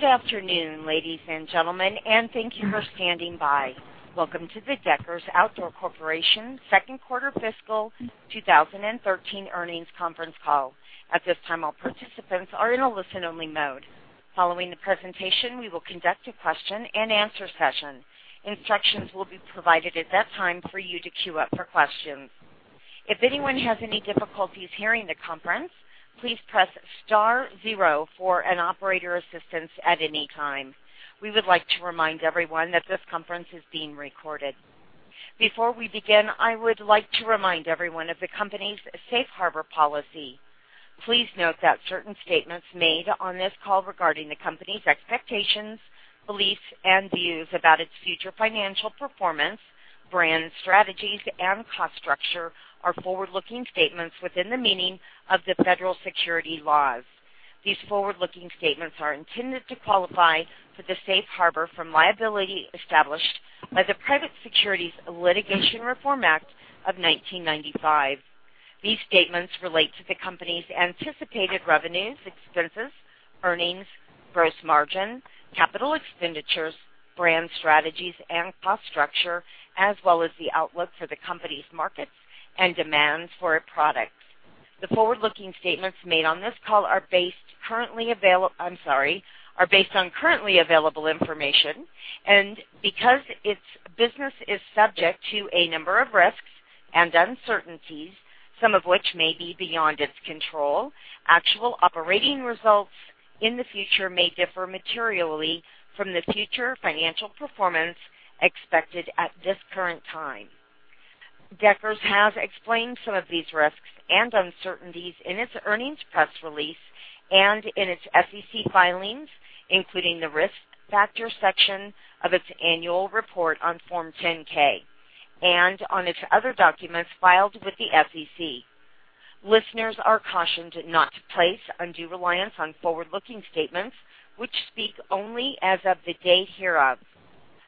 Good afternoon, ladies and gentlemen. Thank you for standing by. Welcome to the Deckers Outdoor Corporation second quarter fiscal 2013 earnings conference call. At this time, all participants are in a listen-only mode. Following the presentation, we will conduct a question-and-answer session. Instructions will be provided at that time for you to queue up for questions. If anyone has any difficulties hearing the conference, please press star zero for an operator assistant at any time. We would like to remind everyone that this conference is being recorded. Before we begin, I would like to remind everyone of the company's Safe Harbor policy. Please note that certain statements made on this call regarding the company's expectations, beliefs, and views about its future financial performance, brand strategies, and cost structure are forward-looking statements within the meaning of the federal securities laws. These forward-looking statements are intended to qualify for the safe harbor from liability established by the Private Securities Litigation Reform Act of 1995. These statements relate to the company's anticipated revenues, expenses, earnings, gross margin, capital expenditures, brand strategies, and cost structure, as well as the outlook for the company's markets and demands for its products. The forward-looking statements made on this call are based on currently available information. Because its business is subject to a number of risks and uncertainties, some of which may be beyond its control, actual operating results in the future may differ materially from the future financial performance expected at this current time. Deckers has explained some of these risks and uncertainties in its earnings press release and in its SEC filings, including the Risk Factors section of its annual report on Form 10-K and on its other documents filed with the SEC. Listeners are cautioned not to place undue reliance on forward-looking statements, which speak only as of the date hereof.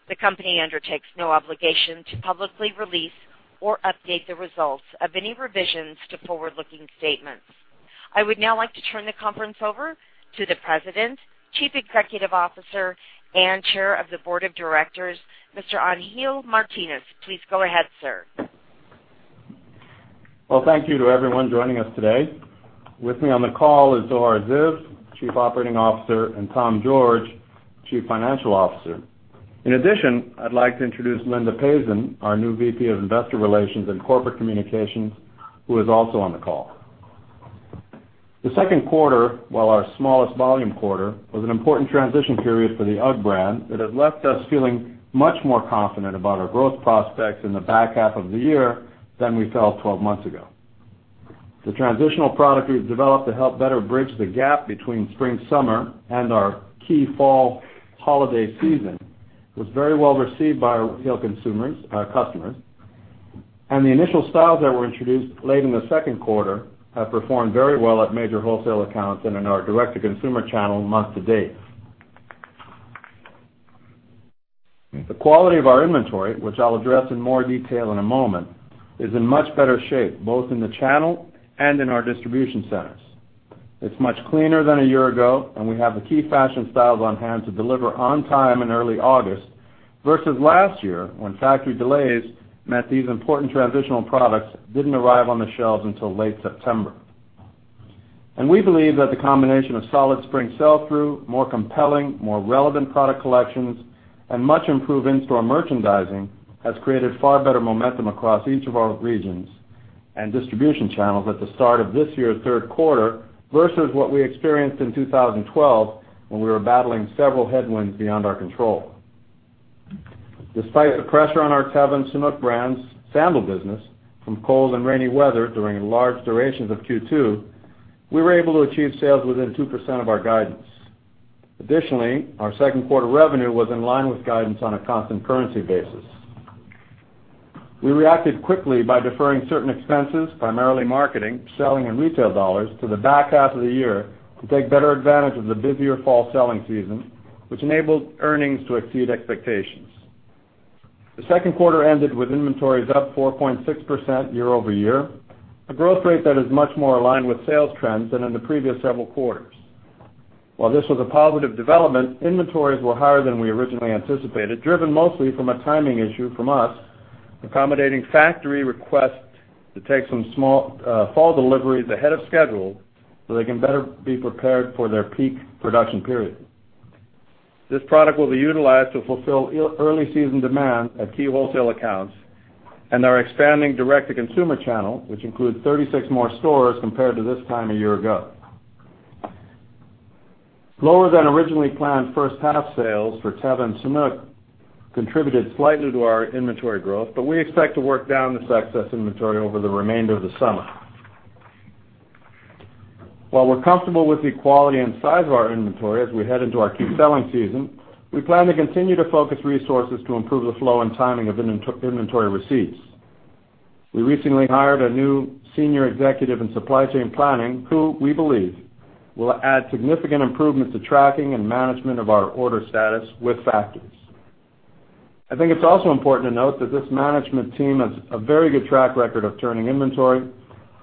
The company undertakes no obligation to publicly release or update the results of any revisions to forward-looking statements. I would now like to turn the conference over to the President, Chief Executive Officer, and Chair of the Board of Directors, Mr. Angel Martinez. Please go ahead, sir. Well, thank you to everyone joining us today. With me on the call is Zohar Ziv, Chief Operating Officer, and Tom George, Chief Financial Officer. In addition, I'd like to introduce Linda Pazen, our new VP of Investor Relations and Corporate Communications, who is also on the call. The second quarter, while our smallest volume quarter, was an important transition period for the UGG brand that has left us feeling much more confident about our growth prospects in the back half of the year than we felt 12 months ago. The transitional product we've developed to help better bridge the gap between spring/summer and our key fall holiday season was very well received by our customers. The initial styles that were introduced late in the second quarter have performed very well at major wholesale accounts and in our direct-to-consumer channel month to date. The quality of our inventory, which I'll address in more detail in a moment, is in much better shape, both in the channel and in our distribution centers. It's much cleaner than a year ago, and we have the key fashion styles on hand to deliver on time in early August, versus last year, when factory delays meant these important transitional products didn't arrive on the shelves until late September. We believe that the combination of solid spring sell-through, more compelling, more relevant product collections, and much improved in-store merchandising has created far better momentum across each of our regions and distribution channels at the start of this year's third quarter versus what we experienced in 2012 when we were battling several headwinds beyond our control. Despite the pressure on our Teva and Sanuk brands' sandal business from cold and rainy weather during large durations of Q2, we were able to achieve sales within 2% of our guidance. Additionally, our second quarter revenue was in line with guidance on a constant currency basis. We reacted quickly by deferring certain expenses, primarily marketing, selling, and retail dollars, to the back half of the year to take better advantage of the busier fall selling season, which enabled earnings to exceed expectations. The second quarter ended with inventories up 4.6% year-over-year, a growth rate that is much more aligned with sales trends than in the previous several quarters. While this was a positive development, inventories were higher than we originally anticipated, driven mostly from a timing issue from us accommodating factory requests to take some small fall deliveries ahead of schedule so they can better be prepared for their peak production period. This product will be utilized to fulfill early-season demand at key wholesale accounts and our expanding direct-to-consumer channel, which includes 36 more stores compared to this time a year ago. We expect to work down this excess inventory over the remainder of the summer. We're comfortable with the quality and size of our inventory as we head into our key selling season, we plan to continue to focus resources to improve the flow and timing of inventory receipts. We recently hired a new senior executive in supply chain planning who, we believe, will add significant improvements to tracking and management of our order status with factories. I think it's also important to note that this management team has a very good track record of turning inventory.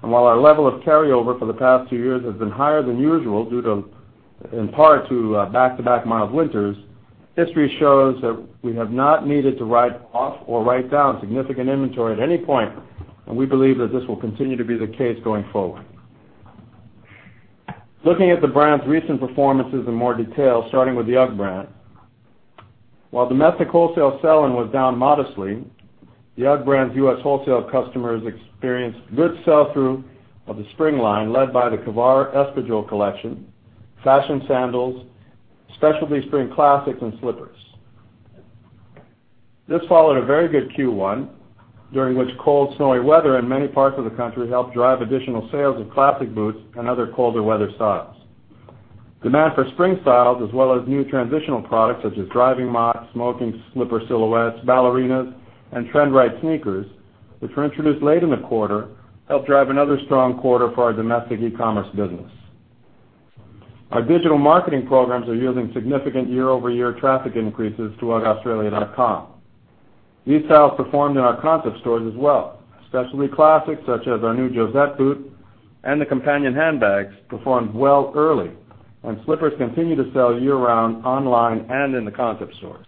While our level of carryover for the past two years has been higher than usual, due in part to back-to-back mild winters, history shows that we have not needed to write off or write down significant inventory at any point, and we believe that this will continue to be the case going forward. Looking at the brand's recent performances in more detail, starting with the UGG brand. While domestic wholesale sell-in was down modestly, the UGG brand's U.S. wholesale customers experienced good sell-through of the spring line, led by the Kavar espadrille collection, fashion sandals, specialty spring classics, and slippers. This followed a very good Q1, during which cold, snowy weather in many parts of the country helped drive additional sales of classic boots and other colder weather styles. Demand for spring styles as well as new transitional products such as driving mocs, moccasin slipper silhouettes, ballerinas, and trend-right sneakers, which were introduced late in the quarter, helped drive another strong quarter for our domestic e-commerce business. Our digital marketing programs are yielding significant year-over-year traffic increases to uggaustralia.com. These styles performed in our concept stores as well, especially classics such as our new Josette boot and the companion handbags performed well early, and slippers continue to sell year-round online and in the concept stores.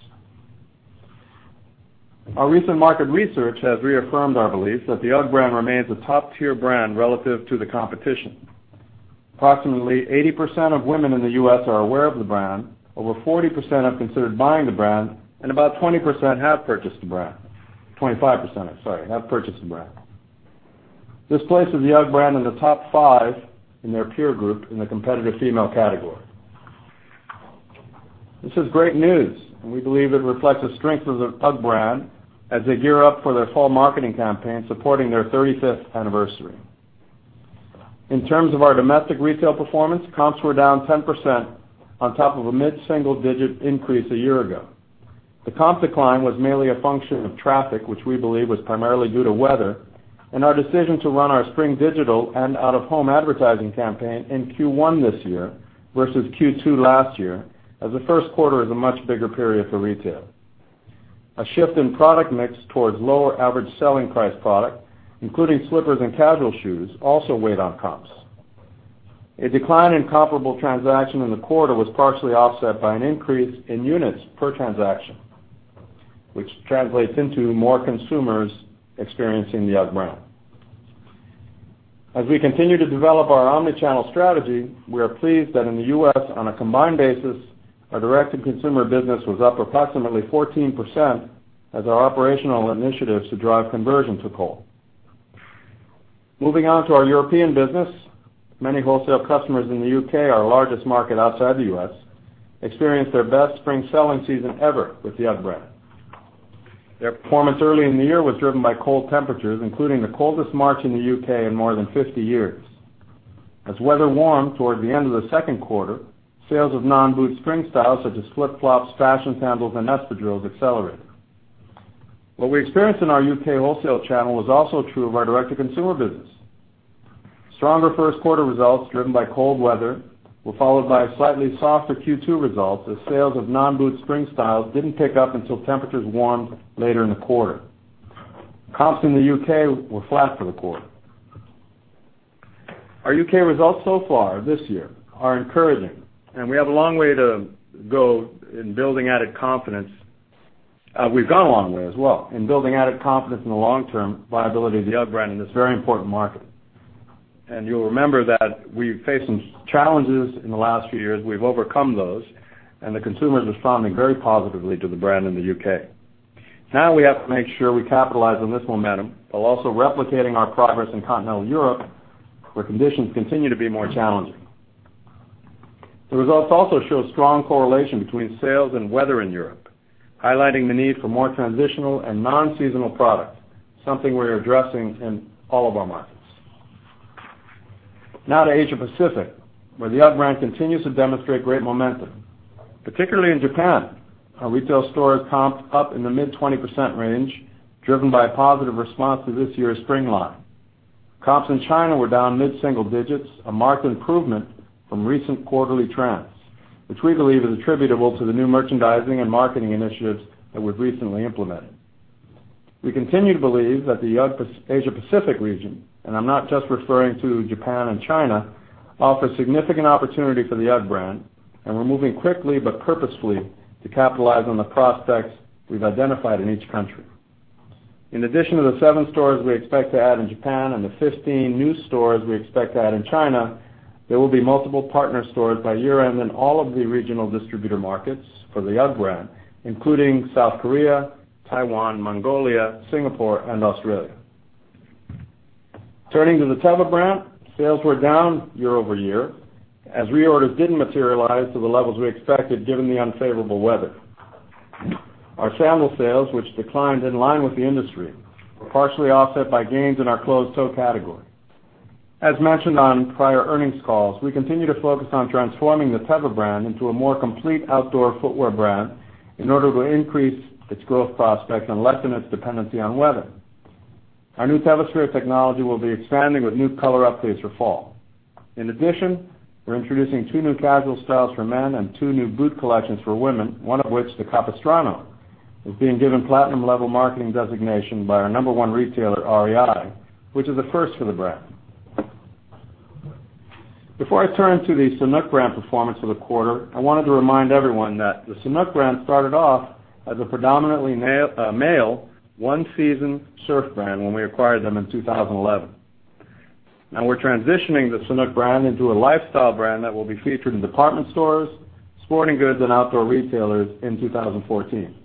Our recent market research has reaffirmed our belief that the UGG brand remains a top-tier brand relative to the competition. Approximately 80% of women in the U.S. are aware of the brand, over 40% have considered buying the brand, and about 20% have purchased the brand. 25%, sorry, have purchased the brand. This places the UGG brand in the top 5 in their peer group in the competitive female category. This is great news, and we believe it reflects the strength of the UGG brand as they gear up for their fall marketing campaign supporting their 35th anniversary. In terms of our domestic retail performance, comps were down 10% on top of a mid-single-digit increase a year ago. The comp decline was merely a function of traffic, which we believe was primarily due to weather, and our decision to run our spring digital and out-of-home advertising campaign in Q1 this year versus Q2 last year, as the first quarter is a much bigger period for retail. A shift in product mix towards lower average selling price product, including slippers and casual shoes, also weighed on comps. A decline in comparable transactions in the quarter was partially offset by an increase in units per transaction, which translates into more consumers experiencing the UGG brand. As we continue to develop our omni-channel strategy, we are pleased that in the U.S., on a combined basis, our direct-to-consumer business was up approximately 14% as our operational initiatives to drive conversion took hold. Moving on to our European business. Many wholesale customers in the U.K., our largest market outside the U.S., experienced their best spring sell-in season ever with the UGG brand. Their performance early in the year was driven by cold temperatures, including the coldest March in the U.K. in more than 50 years. As weather warmed toward the end of the second quarter, sales of non-boot spring styles such as flip-flops, fashion sandals, and espadrilles accelerated. What we experienced in our U.K. wholesale channel was also true of our direct-to-consumer business. Stronger first-quarter results driven by cold weather were followed by slightly softer Q2 results as sales of non-boot spring styles didn't pick up until temperatures warmed later in the quarter. Comps in the U.K. were flat for the quarter. Our U.K. results so far this year are encouraging, and we have a long way to go in building added confidence. We've gone a long way as well in building added confidence in the long-term viability of the UGG brand in this very important market. You'll remember that we've faced some challenges in the last few years. We've overcome those, and the consumers are responding very positively to the brand in the U.K. We have to make sure we capitalize on this momentum while also replicating our progress in continental Europe, where conditions continue to be more challenging. The results also show a strong correlation between sales and weather in Europe, highlighting the need for more transitional and non-seasonal product, something we're addressing in all of our markets. To Asia Pacific, where the UGG brand continues to demonstrate great momentum, particularly in Japan. Our retail stores comped up in the mid-20% range, driven by a positive response to this year's spring line. Comps in China were down mid-single digits, a marked improvement from recent quarterly trends, which we believe is attributable to the new merchandising and marketing initiatives that we've recently implemented. We continue to believe that the UGG Asia Pacific region, I'm not just referring to Japan and China, offers significant opportunity for the UGG brand, and we're moving quickly but purposefully to capitalize on the prospects we've identified in each country. In addition to the 7 stores we expect to add in Japan and the 15 new stores we expect to add in China, there will be multiple partner stores by year-end in all of the regional distributor markets for the UGG brand, including South Korea, Taiwan, Mongolia, Singapore, and Australia. Turning to the Teva brand, sales were down year-over-year as reorders didn't materialize to the levels we expected given the unfavorable weather. Our sandal sales, which declined in line with the industry, were partially offset by gains in our closed-toe category. As mentioned on prior earnings calls, we continue to focus on transforming the Teva brand into a more complete outdoor footwear brand in order to increase its growth prospects and lessen its dependency on weather. Our new TevaSphere technology will be expanding with new color updates for fall. In addition, we're introducing 2 new casual styles for men and 2 new boot collections for women, one of which, the Capistrano, is being given platinum-level marketing designation by our number 1 retailer, REI, which is a first for the brand. Before I turn to the Sanuk brand performance for the quarter, I wanted to remind everyone that the Sanuk brand started off as a predominantly male, one-season surf brand when we acquired them in 2011. We're transitioning the Sanuk brand into a lifestyle brand that will be featured in department stores, sporting goods, and outdoor retailers in 2014.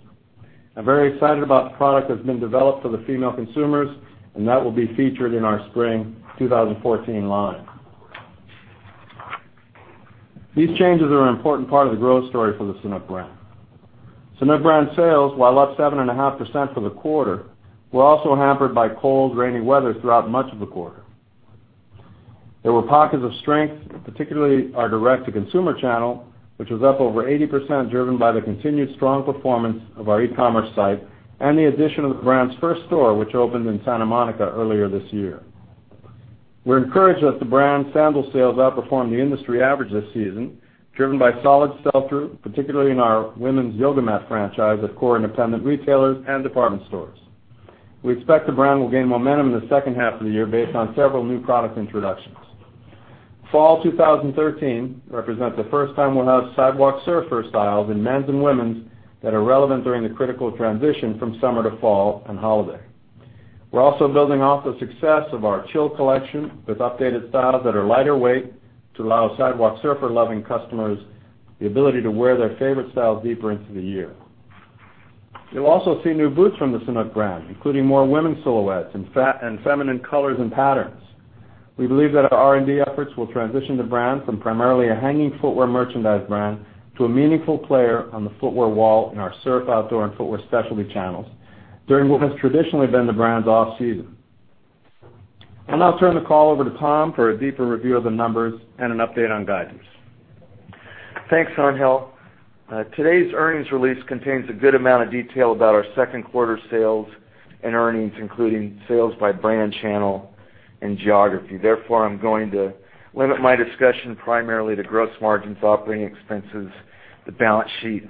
I'm very excited about the product that's been developed for the female consumers, that will be featured in our spring 2014 line. These changes are an important part of the growth story for the Sanuk brand. Sanuk brand sales, while up 7.5% for the quarter, were also hampered by cold, rainy weather throughout much of the quarter. There were pockets of strength, particularly our direct-to-consumer channel, which was up over 80%, driven by the continued strong performance of our e-commerce site and the addition of the brand's first store, which opened in Santa Monica earlier this year. We're encouraged that the brand's sandal sales outperformed the industry average this season, driven by solid sell-through, particularly in our women's yoga mat franchise at core independent retailers and department stores. We expect the brand will gain momentum in the second half of the year based on several new product introductions. Fall 2013 represents the first time we'll have Sidewalk Surfer styles in men's and women's that are relevant during the critical transition from summer to fall and holiday. We're also building off the success of our Chill collection with updated styles that are lighter weight to allow Sidewalk Surfer-loving customers the ability to wear their favorite style deeper into the year. You'll also see new boots from the Sanuk brand, including more women's silhouettes and feminine colors and patterns. We believe that our R&D efforts will transition the brand from primarily a hanging footwear merchandise brand to a meaningful player on the footwear wall in our surf, outdoor, and footwear specialty channels during what has traditionally been the brand's off-season. I'll now turn the call over to Tom for a deeper review of the numbers and an update on guidance. Thanks, Angel. Today's earnings release contains a good amount of detail about our second quarter sales and earnings, including sales by brand, channel, and geography. I'm going to limit my discussion primarily to gross margins, operating expenses, the balance sheet,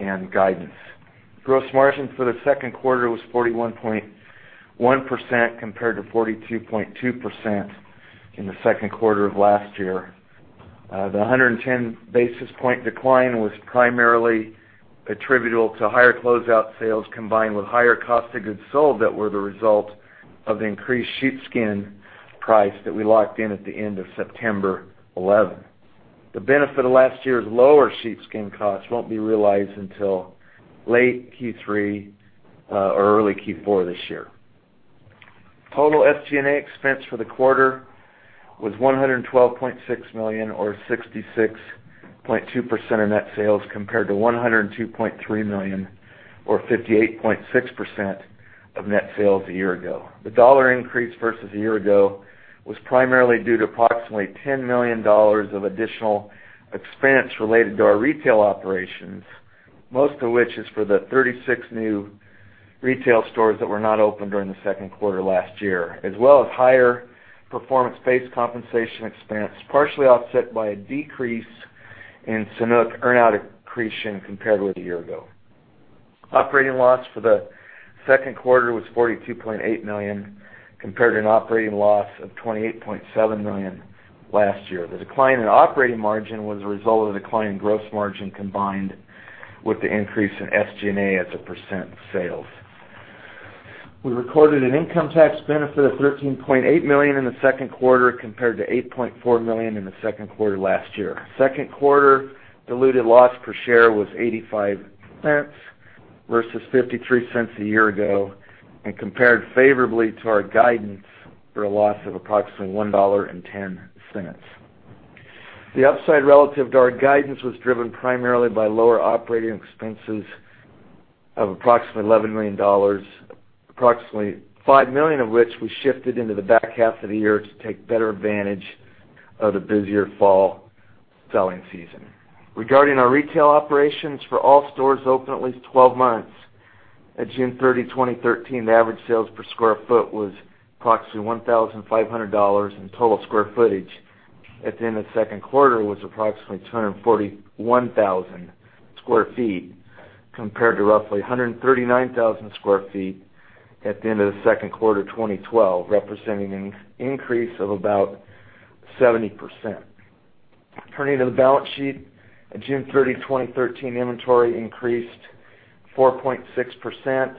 and guidance. Gross margin for the second quarter was 41.1% compared to 42.2% in the second quarter of last year. The 110 basis points decline was primarily attributable to higher closeout sales, combined with higher cost of goods sold that were the result of the increased sheepskin price that we locked in at the end of September 2011. The benefit of last year's lower sheepskin costs won't be realized until late Q3 or early Q4 this year. Total SG&A expense for the quarter was $112.6 million, or 66.2% of net sales, compared to $102.3 million or 58.6% of net sales a year ago. The dollar increase versus a year ago was primarily due to approximately $10 million of additional expense related to our retail operations, most of which is for the 36 new retail stores that were not open during the second quarter last year, as well as higher performance-based compensation expense, partially offset by a decrease in Sanuk earn-out accretion compared with a year ago. Operating loss for the second quarter was $42.8 million, compared to an operating loss of $28.7 million last year. The decline in operating margin was a result of the decline in gross margin combined with the increase in SG&A as a % of sales. We recorded an income tax benefit of $13.8 million in the second quarter compared to $8.4 million in the second quarter last year. Second quarter diluted loss per share was $0.85 versus $0.53 a year ago and compared favorably to our guidance for a loss of approximately $1.10. The upside relative to our guidance was driven primarily by lower operating expenses of approximately $11 million, approximately $5 million of which we shifted into the back half of the year to take better advantage of the busier fall selling season. Regarding our retail operations, for all stores open at least 12 months, at June 30, 2013, the average sales per sq ft was approximately $1,500, and total square footage at the end of the second quarter was approximately 241,000 sq ft compared to roughly 139,000 sq ft at the end of the second quarter 2012, representing an increase of about 70%. Turning to the balance sheet, at June 30, 2013, inventory increased 4.6%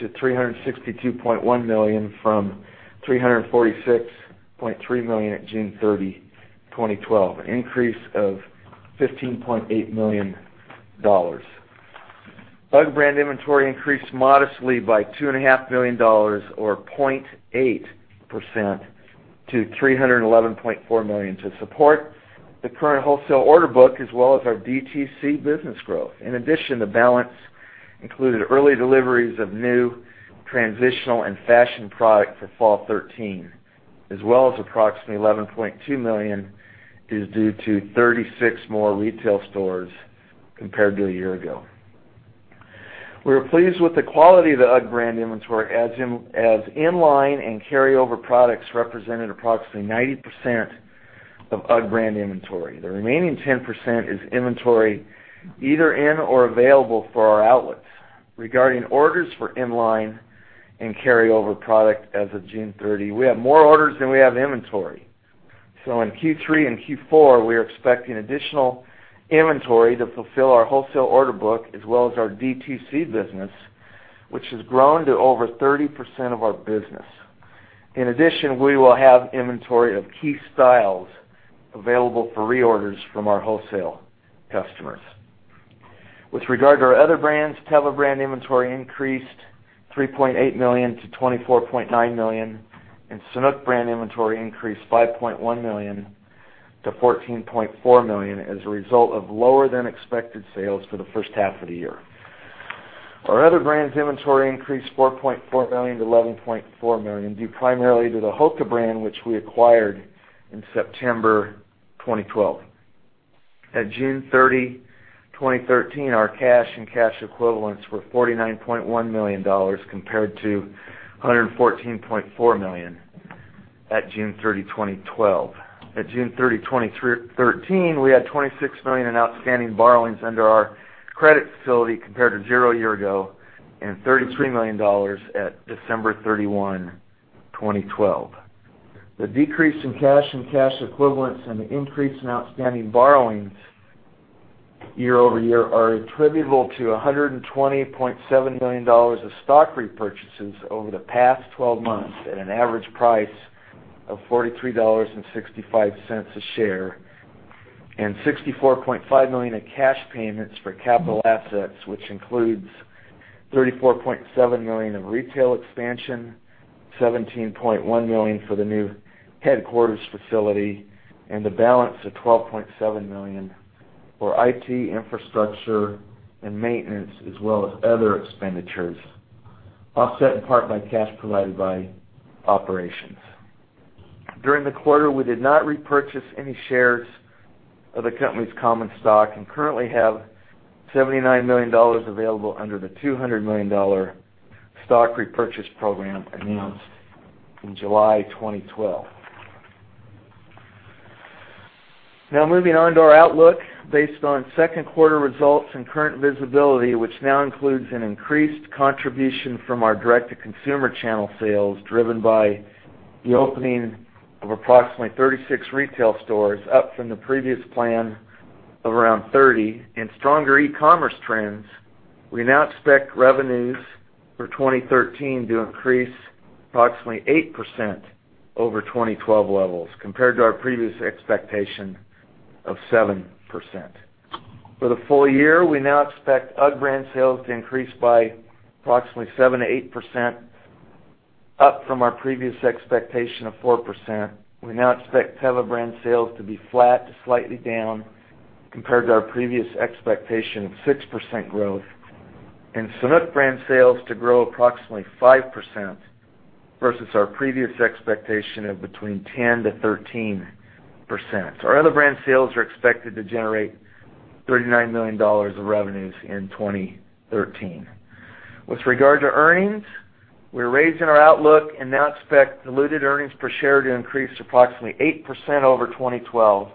to $362.1 million from $346.3 million at June 30, 2012, an increase of $15.8 million. UGG brand inventory increased modestly by $2.5 million, or 0.8%, to $311.4 million to support the current wholesale order book, as well as our DTC business growth. In addition, the balance included early deliveries of new transitional and fashion product for fall 2013, as well as approximately $11.2 million is due to 36 more retail stores compared to a year ago. We are pleased with the quality of the UGG brand inventory as inline and carryover products represented approximately 90% of UGG brand inventory. The remaining 10% is inventory either in or available for our outlets. Regarding orders for inline and carryover product as of June 30, we have more orders than we have inventory. In Q3 and Q4, we are expecting additional inventory to fulfill our wholesale order book as well as our DTC business, which has grown to over 30% of our business. In addition, we will have inventory of key styles available for reorders from our wholesale customers. With regard to our other brands, Teva brand inventory increased $3.8 million to $24.9 million, and Sanuk brand inventory increased $5.1 million to $14.4 million as a result of lower than expected sales for the first half of the year. Our other brands inventory increased $4.4 million to $11.4 million, due primarily to the HOKA brand, which we acquired in September 2012. At June 30, 2013, our cash and cash equivalents were $49.1 million compared to $114.4 million at June 30, 2012. At June 30, 2013, we had $26 million in outstanding borrowings under our credit facility compared to $0 a year ago, and $33 million at December 31, 2012. The decrease in cash and cash equivalents and the increase in outstanding borrowings year-over-year are attributable to $120.7 million of stock repurchases over the past 12 months at an average price of $43.65 a share and $64.5 million of cash payments for capital assets, which includes $34.7 million of retail expansion, $17.1 million for the new headquarters facility, and the balance of $12.7 million for IT infrastructure and maintenance, as well as other expenditures, offset in part by cash provided by operations. During the quarter, we did not repurchase any shares of the company's common stock and currently have $79 million available under the $200 million stock repurchase program announced in July 2012. Moving on to our outlook. Based on second quarter results and current visibility, which now includes an increased contribution from our direct-to-consumer channel sales, driven by the opening of approximately 36 retail stores, up from the previous plan of around 30, and stronger e-commerce trends, we now expect revenues for 2013 to increase approximately 8% over 2012 levels compared to our previous expectation of 7%. For the full year, we now expect UGG brand sales to increase by approximately 7%-8%, up from our previous expectation of 4%. We now expect Teva brand sales to be flat to slightly down compared to our previous expectation of 6% growth, and Sanuk brand sales to grow approximately 5% versus our previous expectation of between 10%-13%. Our other brand sales are expected to generate $39 million of revenues in 2013. With regard to earnings, we are raising our outlook and now expect diluted earnings per share to increase approximately 8% over 2012,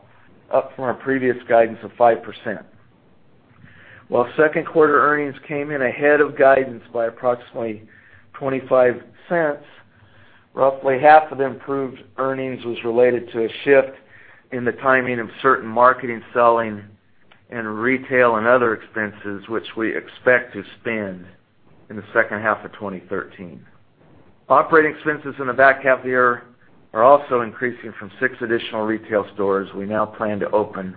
up from our previous guidance of 5%. While second quarter earnings came in ahead of guidance by approximately $0.25, roughly half of the improved earnings was related to a shift in the timing of certain marketing, selling, and retail and other expenses, which we expect to spend in the second half of 2013. Operating expenses in the back half of the year are also increasing from six additional retail stores we now plan to open,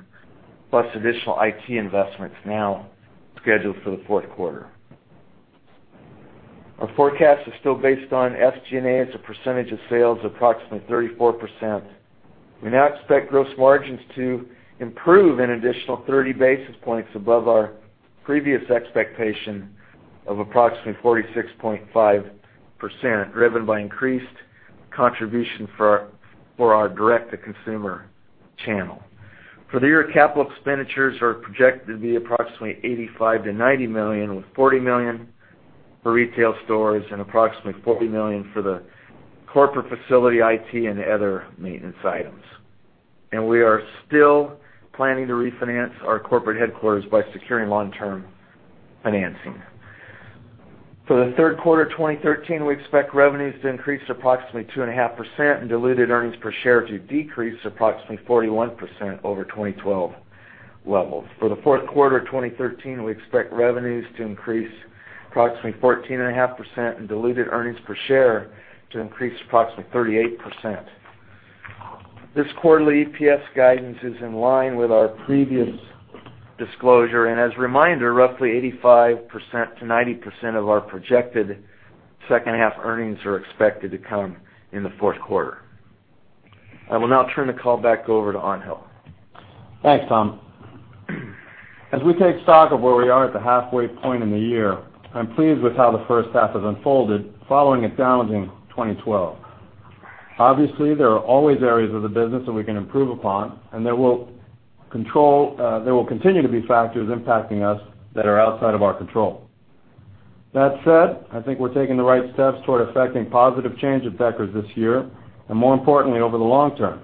plus additional IT investments now scheduled for the fourth quarter. Our forecast is still based on SG&A as a percentage of sales of approximately 34%. We now expect gross margins to improve an additional 30 basis points above our previous expectation of approximately 46.5%, driven by increased contribution for our direct-to-consumer channel. For the year, capital expenditures are projected to be approximately $85 million-$90 million, with $40 million for retail stores and approximately $40 million for the corporate facility, IT, and other maintenance items. We are still planning to refinance our corporate headquarters by securing long-term financing. For the third quarter 2013, we expect revenues to increase approximately 2.5% and diluted earnings per share to decrease approximately 41% over 2012 levels. For the fourth quarter 2013, we expect revenues to increase approximately 14.5% and diluted earnings per share to increase approximately 38%. This quarterly EPS guidance is in line with our previous disclosure and as a reminder, roughly 85%-90% of our projected second half earnings are expected to come in the fourth quarter. I will now turn the call back over to Angel. Thanks, Tom. As we take stock of where we are at the halfway point in the year, I am pleased with how the first half has unfolded following a challenging 2012. Obviously, there are always areas of the business that we can improve upon, and there will continue to be factors impacting us that are outside of our control. That said, I think we are taking the right steps toward affecting positive change at Deckers this year, and more importantly, over the long term.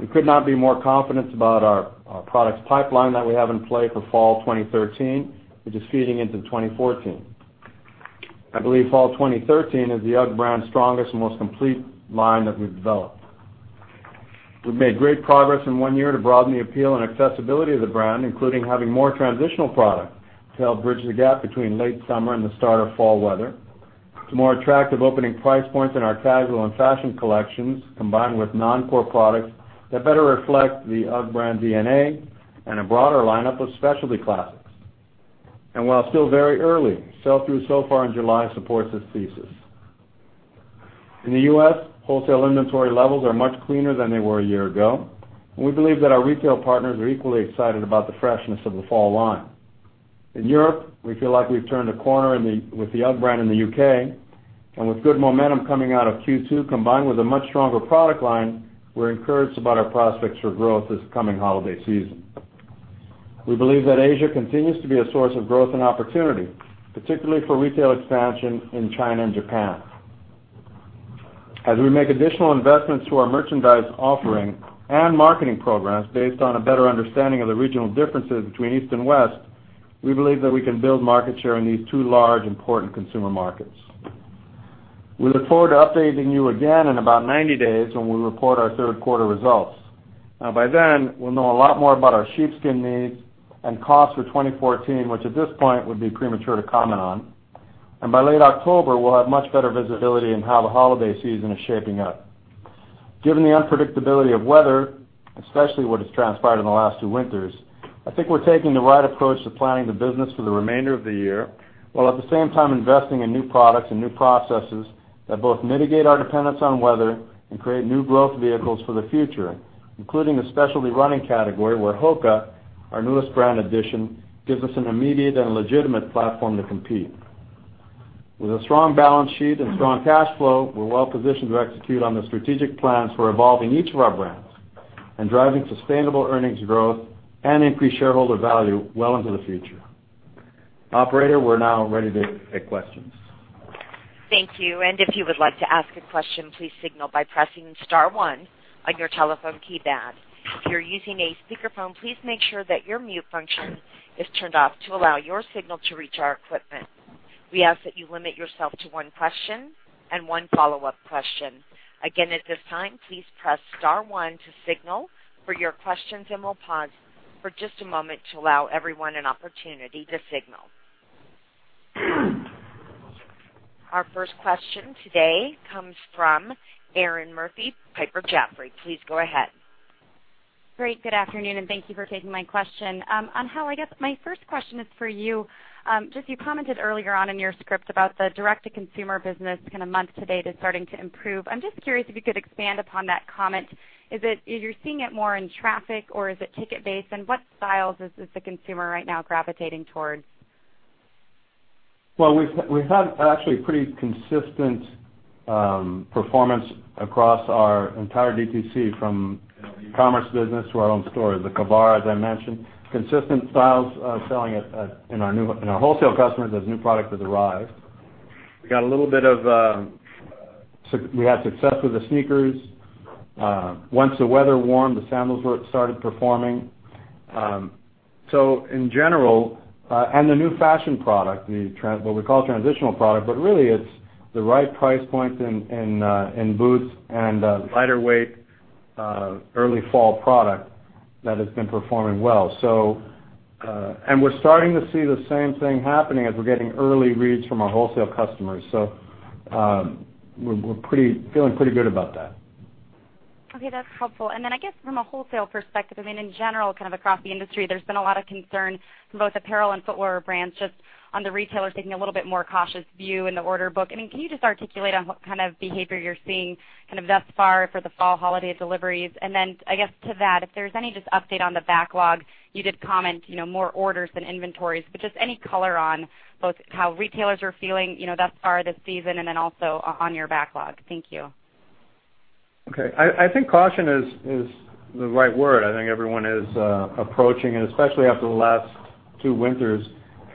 We could not be more confident about our products pipeline that we have in play for fall 2013, which is feeding into 2014. I believe fall 2013 is the UGG brand's strongest and most complete line that we have developed. We have made great progress in one year to broaden the appeal and accessibility of the brand, including having more transitional product to help bridge the gap between late summer and the start of fall weather to more attractive opening price points in our casual and fashion collections, combined with non-core products that better reflect the UGG brand DNA and a broader lineup of specialty classics. While still very early, sell-through so far in July supports this thesis. In the U.S., wholesale inventory levels are much cleaner than they were a year ago, and we believe that our retail partners are equally excited about the freshness of the fall line. In Europe, we feel like we've turned a corner with the UGG brand in the U.K., with good momentum coming out of Q2, combined with a much stronger product line, we're encouraged about our prospects for growth this coming holiday season. We believe that Asia continues to be a source of growth and opportunity, particularly for retail expansion in China and Japan. As we make additional investments to our merchandise offering and marketing programs based on a better understanding of the regional differences between East and West, we believe that we can build market share in these two large, important consumer markets. We look forward to updating you again in about 90 days when we report our third-quarter results. By then, we'll know a lot more about our sheepskin needs and costs for 2014, which at this point would be premature to comment on. By late October, we'll have much better visibility in how the holiday season is shaping up. Given the unpredictability of weather, especially what has transpired in the last two winters, I think we're taking the right approach to planning the business for the remainder of the year, while at the same time investing in new products and new processes that both mitigate our dependence on weather and create new growth vehicles for the future, including the specialty running category where HOKA, our newest brand addition, gives us an immediate and legitimate platform to compete. With a strong balance sheet and strong cash flow, we're well positioned to execute on the strategic plans for evolving each of our brands and driving sustainable earnings growth and increased shareholder value well into the future. Operator, we're now ready to take questions. Thank you. If you would like to ask a question, please signal by pressing *1 on your telephone keypad. If you're using a speakerphone, please make sure that your mute function is turned off to allow your signal to reach our equipment. We ask that you limit yourself to one question and one follow-up question. Again, at this time, please press *1 to signal for your questions, and we'll pause for just a moment to allow everyone an opportunity to signal. Our first question today comes from Erinn Murphy, Piper Jaffray. Please go ahead. Great. Good afternoon, and thank you for taking my question. On how, I guess my first question is for you. You commented earlier on in your script about the direct-to-consumer business month to date is starting to improve. I'm just curious if you could expand upon that comment. Is it you're seeing it more in traffic, or is it ticket-based? What styles is the consumer right now gravitating towards? Well, we've had actually pretty consistent performance across our entire DTC from the commerce business to our own stores, the Kavar, as I mentioned. Consistent styles selling in our wholesale customers as new product has arrived. We had success with the sneakers. Once the weather warmed, the sandals started performing. The new fashion product, what we call transitional product, but really it's the right price point in boots and lighter weight early fall product that has been performing well. We're starting to see the same thing happening as we're getting early reads from our wholesale customers. We're feeling pretty good about that. Okay. That's helpful. I guess from a wholesale perspective, in general, kind of across the industry, there's been a lot of concern from both apparel and footwear brands just on the retailers taking a little bit more cautious view in the order book. Can you just articulate on what kind of behavior you're seeing thus far for the fall holiday deliveries? I guess to that, if there's any just update on the backlog, you did comment more orders than inventories, but just any color on both how retailers are feeling thus far this season and then also on your backlog. Thank you. Okay. I think caution is the right word. I think everyone is approaching it, especially after the last two winters,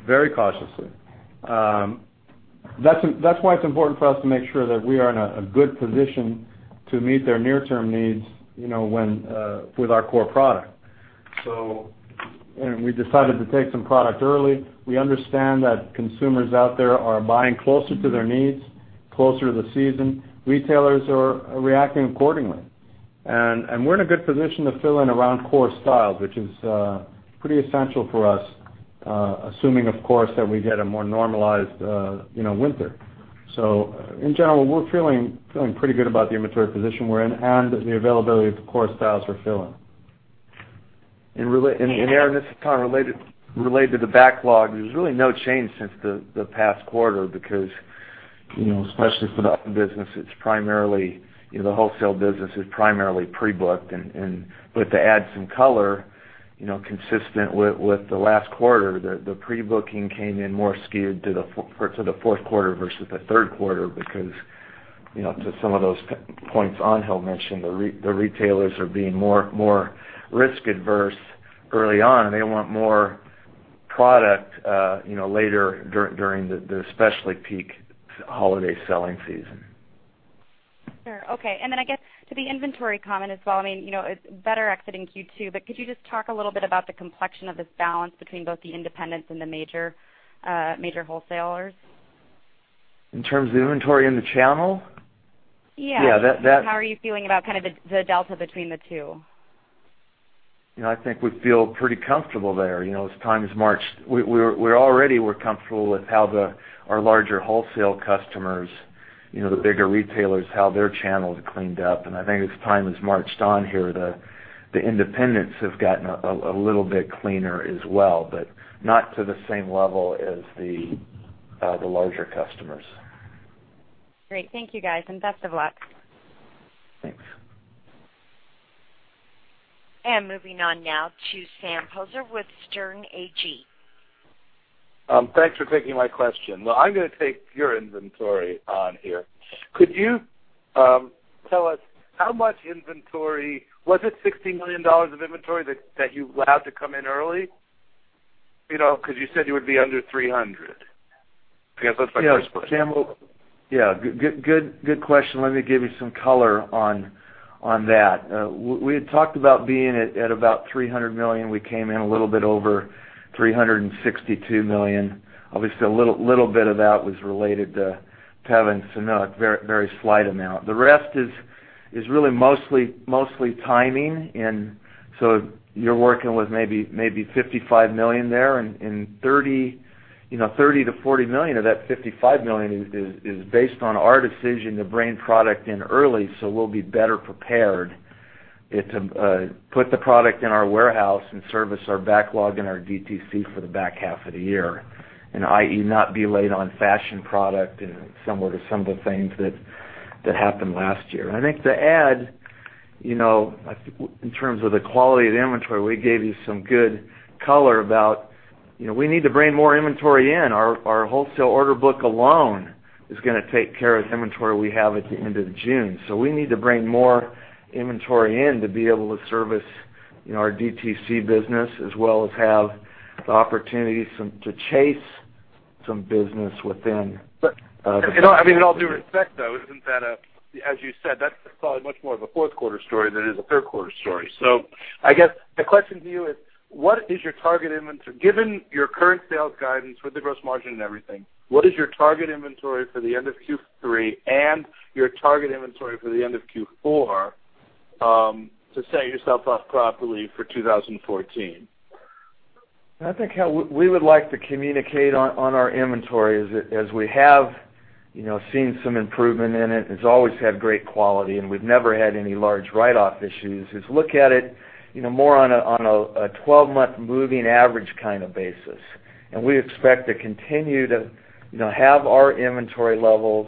very cautiously. That's why it's important for us to make sure that we are in a good position to meet their near-term needs with our core product. We decided to take some product early. We understand that consumers out there are buying closer to their needs, closer to the season. Retailers are reacting accordingly. We're in a good position to fill in around core styles, which is pretty essential for us, assuming, of course, that we get a more normalized winter. In general, we're feeling pretty good about the inventory position we're in and the availability of the core styles we're filling. Erinn, this is kind of related to the backlog. There's really no change since the past quarter because especially for the open business, the wholesale business is primarily pre-booked. To add some color, consistent with the last quarter, the pre-booking came in more skewed to the fourth quarter versus the third quarter because To some of those points Angel mentioned, the retailers are being more risk-averse early on, they want more product later during the especially peak holiday selling season. Sure. Okay. Then I guess to the inventory comment as well, it better exited Q2, could you just talk a little bit about the complexion of this balance between both the independents and the major wholesalers? In terms of the inventory in the channel? Yeah. Yeah. How are you feeling about kind of the delta between the two? I think we feel pretty comfortable there. As time has marched, we were already comfortable with how our larger wholesale customers, the bigger retailers, how their channels cleaned up. I think as time has marched on here, the independents have gotten a little bit cleaner as well, but not to the same level as the larger customers. Great. Thank you, guys. Best of luck. Thanks. Moving on now to Sam Poser with Sterne Agee. Thanks for taking my question. I'm going to take your inventory on here. Could you tell us how much inventory was it $60 million of inventory that you allowed to come in early? You said you would be under 300. I guess that's my first question. Yeah. Good question. Let me give you some color on that. We had talked about being at about $300 million. We came in a little bit over $362 million. Obviously, a little bit of that was related to Teva and Sanuk, very slight amount. The rest is really mostly timing. You're working with maybe $55 million there, and $30 million-$40 million of that $55 million is based on our decision to bring product in early so we'll be better prepared to put the product in our warehouse and service our backlog and our DTC for the back half of the year, i.e., not be late on fashion product and similar to some of the things that happened last year. I think to add, in terms of the quality of the inventory, we gave you some good color about we need to bring more inventory in. Our wholesale order book alone is going to take care of the inventory we have at the end of June. We need to bring more inventory in to be able to service our DTC business as well as have the opportunity to chase some business within. In all due respect, though, isn't that a, as you said, that's probably much more of a fourth quarter story than it is a third quarter story. I guess my question to you is, what is your target inventory? Given your current sales guidance with the gross margin and everything, what is your target inventory for the end of Q3 and your target inventory for the end of Q4 to set yourself up properly for 2014? I think how we would like to communicate on our inventory is, as we have seen some improvement in it's always had great quality, and we've never had any large write-off issues, is look at it more on a 12-month moving average kind of basis. We expect to continue to have our inventory levels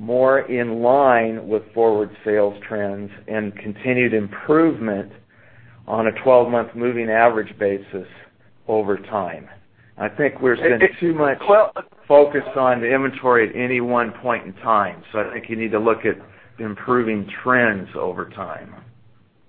more in line with forward sales trends and continued improvement on a 12-month moving average basis over time. I think we're spending too much focus on the inventory at any one point in time. I think you need to look at improving trends over time.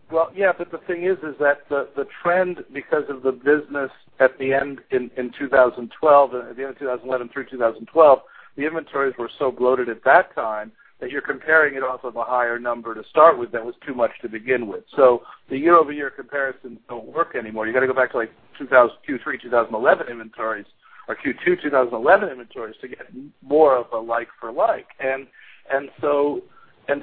The thing is that the trend because of the business at the end in 2012, at the end of 2011 through 2012, the inventories were so bloated at that time that you're comparing it off of a higher number to start with that was too much to begin with. The year-over-year comparisons don't work anymore. You got to go back to, like, Q3 2011 inventories or Q2 2011 inventories to get more of a like for like.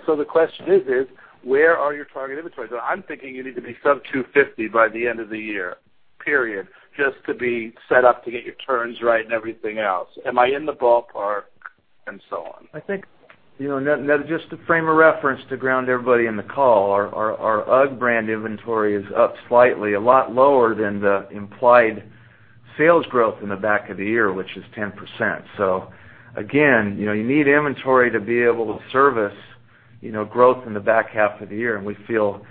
The question is, where are your target inventories? I'm thinking you need to be sub $250 by the end of the year, period, just to be set up to get your turns right and everything else. Am I in the ballpark and so on? I think just a frame of reference to ground everybody in the call. Our UGG brand inventory is up slightly, a lot lower than the implied sales growth in the back of the year, which is 10%. Again, you need inventory to be able to service growth in the back half of the year. We feel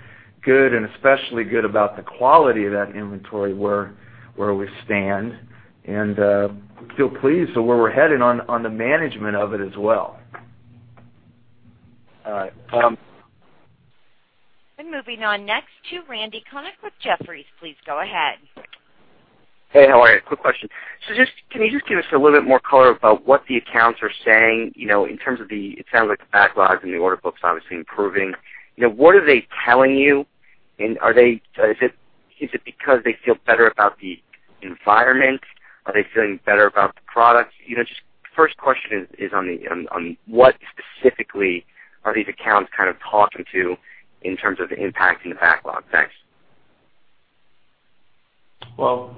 good and especially good about the quality of that inventory where we stand and feel pleased with where we're headed on the management of it as well. All right. moving on next to Randy Konik with Jefferies. Please go ahead. Hey, how are you? Quick question. Can you just give us a little bit more color about what the accounts are saying in terms of the, it sounds like the backlogs and the order book's obviously improving. What are they telling you? Is it because they feel better about the environment? Are they feeling better about the product? First question is on what specifically are these accounts kind of talking to in terms of the impact in the backlog? Thanks.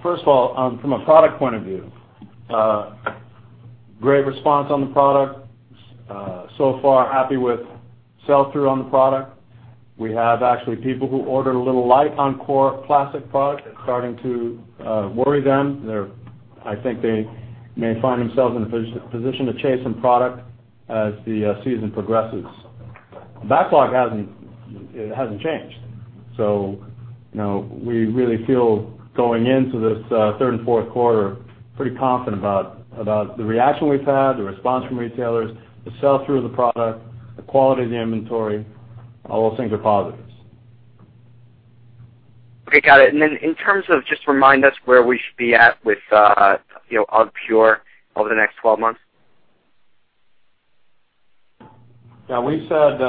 First of all, from a product point of view, great response on the product. So far, happy with sell-through on the product. We have actually people who ordered a little light on core classic product. It's starting to worry them. I think they may find themselves in a position to chase some product as the season progresses. Backlog hasn't changed. We really feel, going into this third and fourth quarter, pretty confident about the reaction we've had, the response from retailers, the sell-through of the product, the quality of the inventory. All those things are positives. Okay, got it. Then in terms of, just remind us where we should be at with UGGpure over the next 12 months. We said,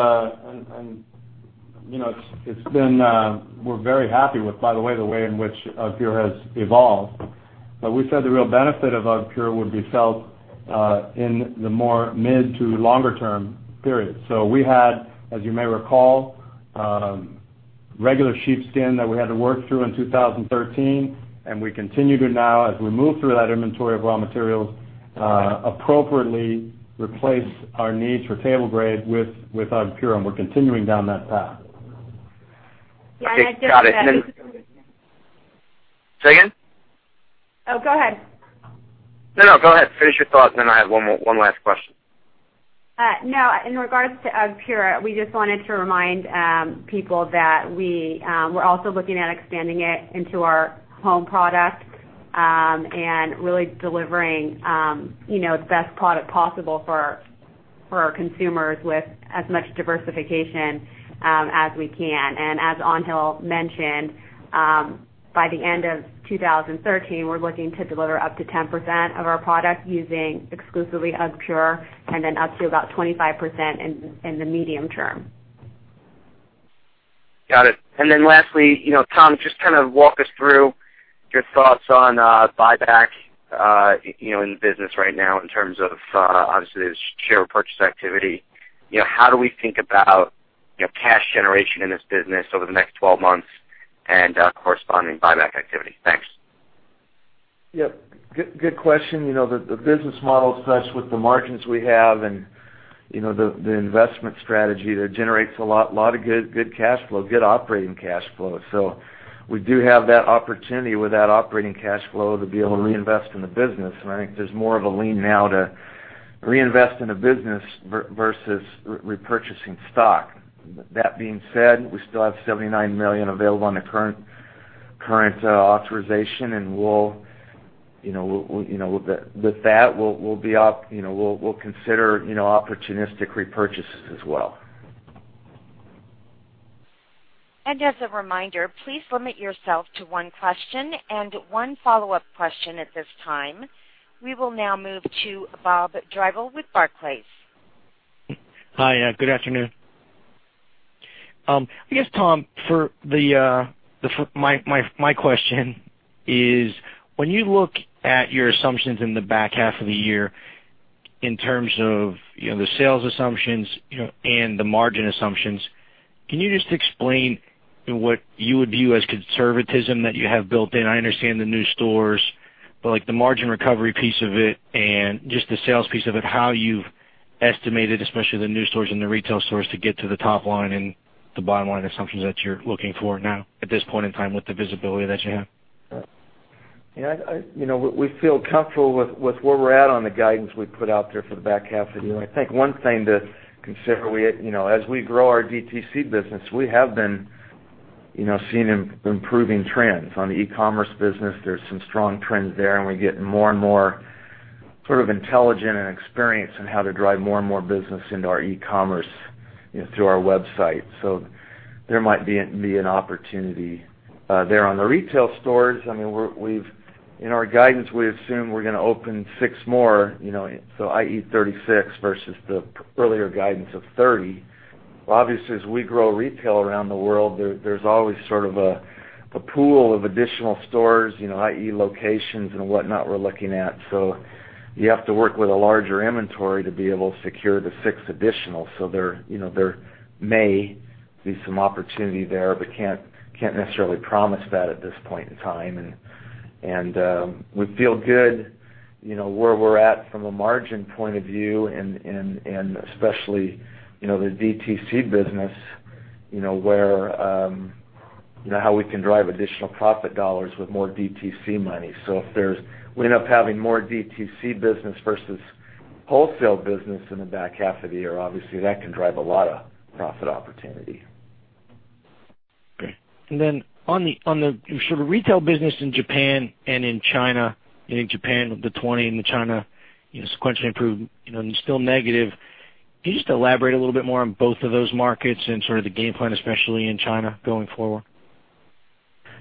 and we're very happy with, by the way, in which UGGpure has evolved. We said the real benefit of UGGpure would be felt in the more mid to longer term period. We had, as you may recall, regular sheepskin that we had to work through in 2013, and we continue to now, as we move through that inventory of raw materials, appropriately replace our needs for table grade with UGGpure, and we're continuing down that path. I just- Okay, got it. Say again? Go ahead. No, go ahead. Finish your thought, and then I have one last question. No, in regards to UGGpure, we just wanted to remind people that we're also looking at expanding it into our home product, and really delivering the best product possible for our consumers with as much diversification as we can. As Angel mentioned, by the end of 2013, we're looking to deliver up to 10% of our product using exclusively UGGpure, and then up to about 25% in the medium term. Got it. Then lastly, Tom, just walk us through your thoughts on buyback in the business right now in terms of, obviously, there's share repurchase activity. How do we think about cash generation in this business over the next 12 months and corresponding buyback activity? Thanks. Yep. Good question. The business model, especially with the margins we have and the investment strategy there, generates a lot of good cash flow, good operating cash flow. We do have that opportunity with that operating cash flow to be able to reinvest in the business, I think there's more of a lean now to reinvest in the business versus repurchasing stock. That being said, we still have $79 million available on the current authorization, with that, we'll consider opportunistic repurchases as well. As a reminder, please limit yourself to one question and one follow-up question at this time. We will now move to Bob Drbul with Barclays. Hi. Good afternoon. I guess, Tom, for my question is, when you look at your assumptions in the back half of the year in terms of the sales assumptions and the margin assumptions, can you just explain what you would view as conservatism that you have built in? I understand the new stores, but the margin recovery piece of it and just the sales piece of it, how you've estimated, especially the new stores and the retail stores, to get to the top line and the bottom-line assumptions that you're looking for now at this point in time with the visibility that you have? We feel comfortable with where we're at on the guidance we've put out there for the back half of the year. I think one thing to consider, as we grow our DTC business, we have been seeing improving trends. On the e-commerce business, there's some strong trends there, and we're getting more and more intelligent and experienced in how to drive more and more business into our e-commerce through our website. There might be an opportunity there. On the retail stores, in our guidance, we assume we're going to open six more, i.e., 36 versus the earlier guidance of 30. Obviously, as we grow retail around the world, there's always sort of a pool of additional stores, i.e., locations and whatnot we're looking at. You have to work with a larger inventory to be able to secure the six additional. There may be some opportunity there, but can't necessarily promise that at this point in time. We feel good where we're at from a margin point of view and especially the DTC business, how we can drive additional profit dollars with more DTC money. If we end up having more DTC business versus wholesale business in the back half of the year, obviously that can drive a lot of profit opportunity. Great. Then on the retail business in Japan and in China. In Japan with the 20% and in China, sequentially improved and still negative. Can you just elaborate a little bit more on both of those markets and sort of the game plan, especially in China, going forward?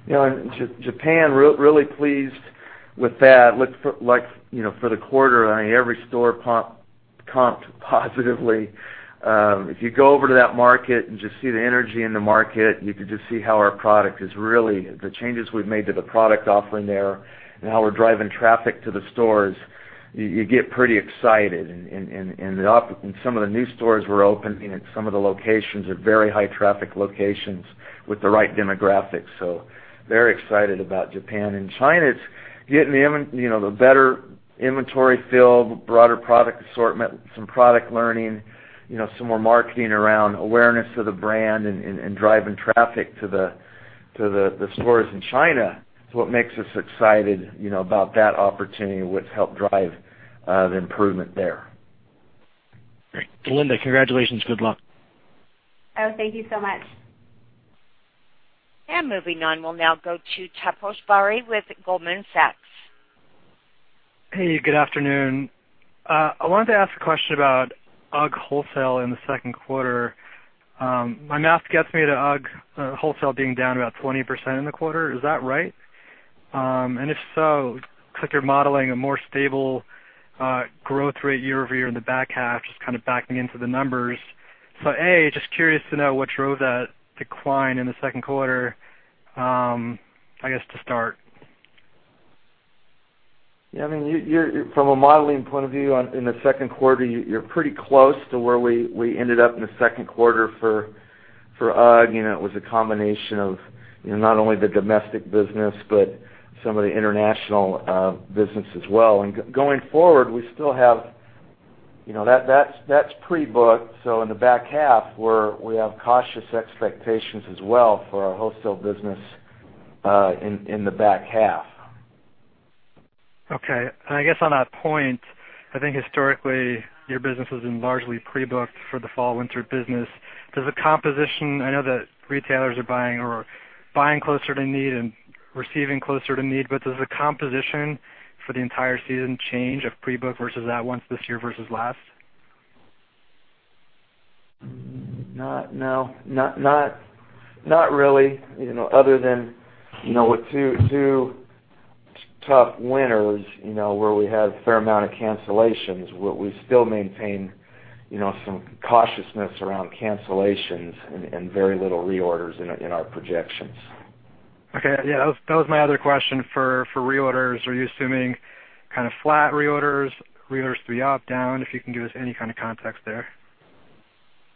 Japan, really pleased with that. For the quarter, every store comped positively. If you go over to that market and just see the energy in the market, you could just see how our product is. The changes we've made to the product offering there and how we're driving traffic to the stores, you get pretty excited. Some of the new stores we're opening at some of the locations are very high-traffic locations with the right demographics. Very excited about Japan. In China, it's getting the better inventory fill, the broader product assortment, some product learning, some more marketing around awareness of the brand and driving traffic to the stores in China is what makes us excited about that opportunity, which helped drive the improvement there. Great. Linda, congratulations. Good luck. Oh, thank you so much. Moving on, we'll now go to Taposh Bari with Goldman Sachs. Hey, good afternoon. I wanted to ask a question about UGG wholesale in the second quarter. My math gets me to UGG wholesale being down about 20% in the quarter. Is that right? If so, looks like you're modeling a more stable growth rate year-over-year in the back half, just kind of backing into the numbers. A, just curious to know what drove that decline in the second quarter, I guess, to start. Yeah, from a modeling point of view in the second quarter, you're pretty close to where we ended up in the second quarter for UGG. It was a combination of not only the domestic business but some of the international business as well. Going forward, that's pre-booked. In the back half, we have cautious expectations as well for our wholesale business in the back half. Okay. I guess on that point, I think historically your business has been largely pre-booked for the fall/winter business. I know that retailers are buying closer to need and receiving closer to need, does the composition for the entire season change of pre-book versus at once this year versus last? No, not really. Other than with two tough winters, where we had a fair amount of cancellations. We still maintain some cautiousness around cancellations and very little reorders in our projections. Okay. Yeah, that was my other question for reorders. Are you assuming kind of flat reorders to be up, down, if you can give us any kind of context there?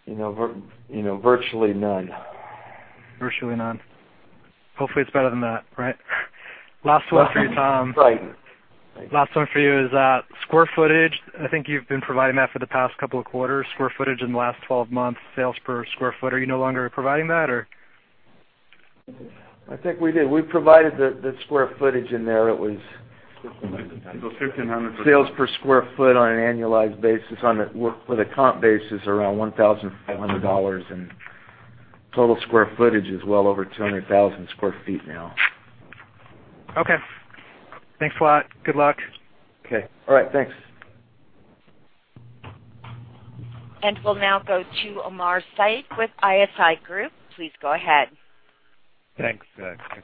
Virtually none. Virtually none. Hopefully, it's better than that, right? Last one for you, Tom. Right. Last one for you is that square footage, I think you've been providing that for the past couple of quarters, square footage in the last 12 months, sales per square foot. Are you no longer providing that, or? I think we did. We provided the square footage in there. It was 1,500. Sales per square foot on an annualized basis on a comp basis around $1,500, and total square footage is well over 200,000 square feet now. Okay. Thanks a lot. Good luck. Okay. All right. Thanks. We'll now go to Omar Saad with ISI Group. Please go ahead. Thanks, guys. You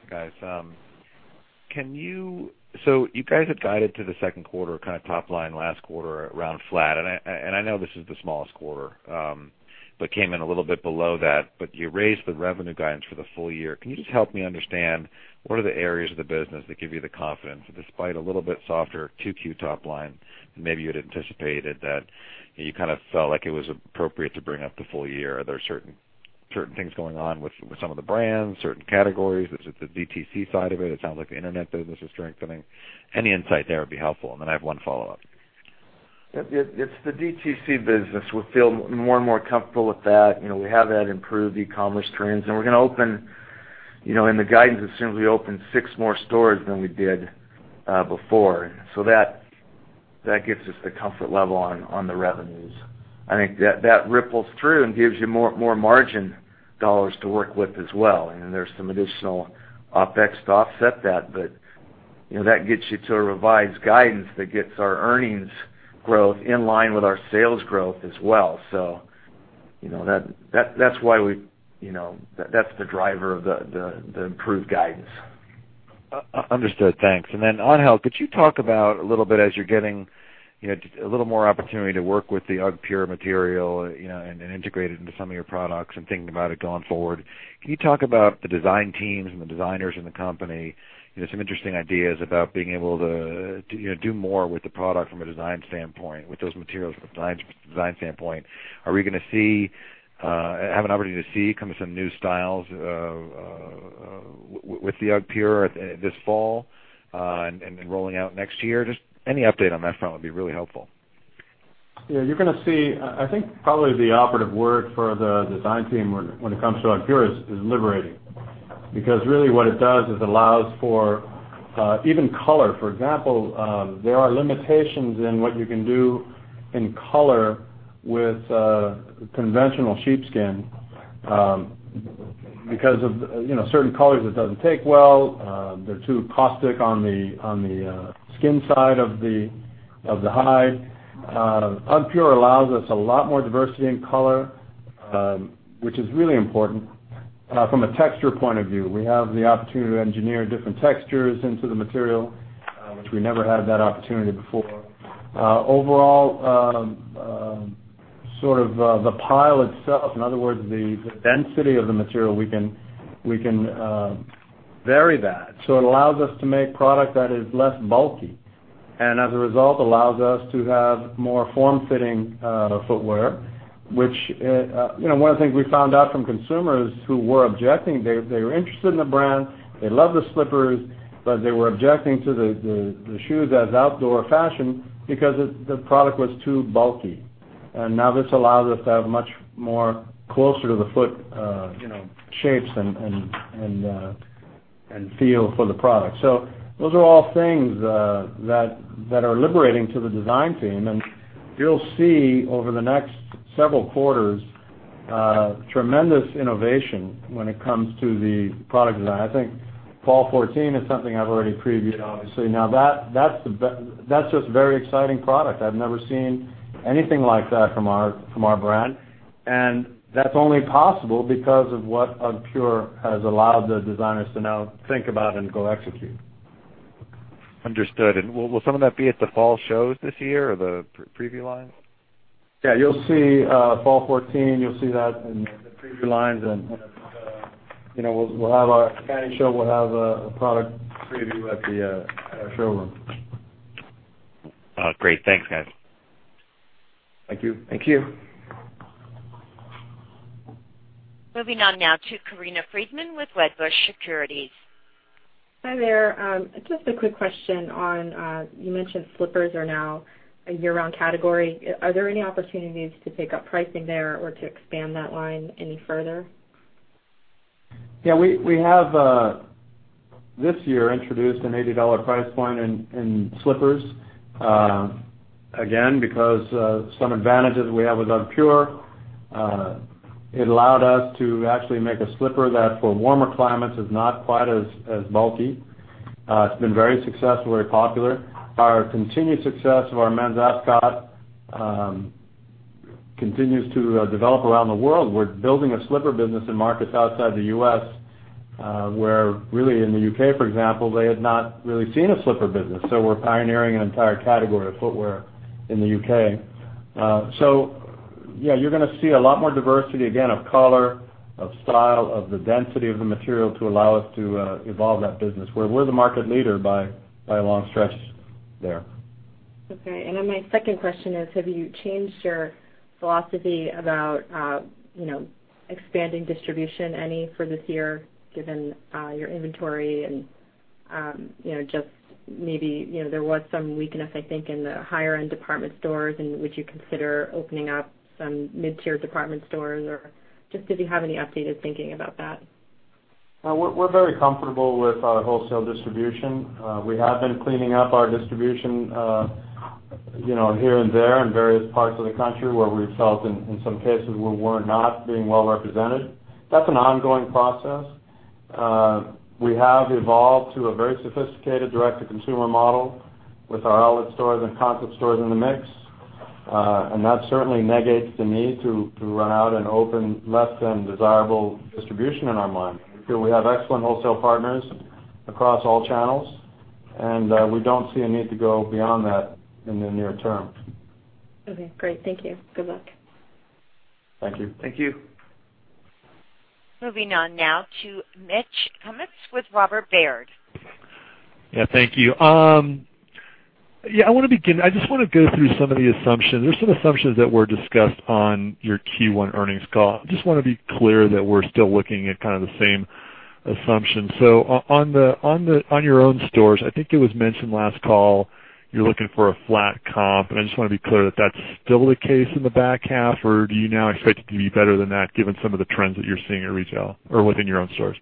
guys had guided to the second quarter kind of top line last quarter around flat, and I know this is the smallest quarter, but came in a little bit below that, but you raised the revenue guidance for the full year. Can you just help me understand what are the areas of the business that give you the confidence, despite a little bit softer 2Q top line than maybe you'd anticipated that you kind of felt like it was appropriate to bring up the full year? Are there certain things going on with some of the brands, certain categories? Is it the DTC side of it? It sounds like the internet business is strengthening. Any insight there would be helpful, and then I have one follow-up. It's the DTC business. We feel more and more comfortable with that. We have that improved e-commerce trends, the guidance assumes we open six more stores than we did before. That gives us the comfort level on the revenues. I think that ripples through and gives you more margin dollars to work with as well. There's some additional OpEx to offset that gets you to a revised guidance that gets our earnings growth in line with our sales growth as well. That's the driver of the improved guidance. Understood. Thanks. Then on health, could you talk about a little bit as you're getting a little more opportunity to work with the UGGpure material, and integrate it into some of your products and thinking about it going forward. Can you talk about the design teams and the designers in the company? Some interesting ideas about being able to do more with the product from a design standpoint, with those materials from a design standpoint. Are we going to have an opportunity to see kind of some new styles with the UGGpure this fall and then rolling out next year? Just any update on that front would be really helpful. You're going to see, I think, probably the operative word for the design team when it comes to UGGpure is liberating. Really what it does is allows for even color. For example, there are limitations in what you can do in color with conventional sheepskin because of certain colors it doesn't take well. They're too caustic on the skin side of the hide. UGGpure allows us a lot more diversity in color, which is really important from a texture point of view. We have the opportunity to engineer different textures into the material, which we never had that opportunity before. Overall, sort of the pile itself, in other words, the density of the material, we can vary that. It allows us to make product that is less bulky, as a result, allows us to have more form-fitting footwear, which one of the things we found out from consumers who were objecting, they were interested in the brand, they loved the slippers, they were objecting to the shoes as outdoor fashion because the product was too bulky. Now this allows us to have much more closer to the foot shapes and feel for the product. Those are all things that are liberating to the design team. You'll see over the next several quarters, tremendous innovation when it comes to the product design. I think fall 2014 is something I've already previewed, obviously. That's just a very exciting product. I've never seen anything like that from our brand. That's only possible because of what UGGpure has allowed the designers to now think about and go execute. Understood. Will some of that be at the fall shows this year or the preview line? You'll see fall 2014. You'll see that in the preview lines, and we'll have our account show. We'll have a product preview at our showroom. Great. Thanks, guys. Thank you. Thank you. Moving on now to Corinna Freedman with Wedbush Securities. Hi there. Just a quick question on, you mentioned slippers are now a year-round category. Are there any opportunities to take up pricing there or to expand that line any further? Yeah. We have, this year, introduced an $80 price point in slippers. Again, because some advantages we have with UGGpure, it allowed us to actually make a slipper that for warmer climates is not quite as bulky. It's been very successful, very popular. Our continued success of our men's Ascot continues to develop around the world. We're building a slipper business in markets outside the U.S., where really in the U.K., for example, they had not really seen a slipper business. We're pioneering an entire category of footwear in the U.K. Yeah, you're going to see a lot more diversity, again, of color, of style, of the density of the material to allow us to evolve that business where we're the market leader by a long stretch there. Okay. My second question is, have you changed your philosophy about expanding distribution any for this year, given your inventory and just maybe, there was some weakness, I think, in the higher end department stores and would you consider opening up some mid-tier department stores or just did you have any updated thinking about that? We're very comfortable with our wholesale distribution. We have been cleaning up our distribution here and there in various parts of the country where we felt in some cases we were not being well represented. That's an ongoing process. We have evolved to a very sophisticated direct-to-consumer model with our outlet stores and concept stores in the mix. That certainly negates the need to run out and open less than desirable distribution in our mind. We feel we have excellent wholesale partners across all channels, and we don't see a need to go beyond that in the near term. Okay, great. Thank you. Good luck. Thank you. Thank you. Moving on now to Mitch Kummetz with Robert W. Baird. Yeah, thank you. I just want to go through some of the assumptions. There's some assumptions that were discussed on your Q1 earnings call. I just want to be clear that we're still looking at kind of the same assumptions. On your own stores, I think it was mentioned last call, you're looking for a flat comp, and I just want to be clear that's still the case in the back half or do you now expect it to be better than that given some of the trends that you're seeing at retail or within your own stores?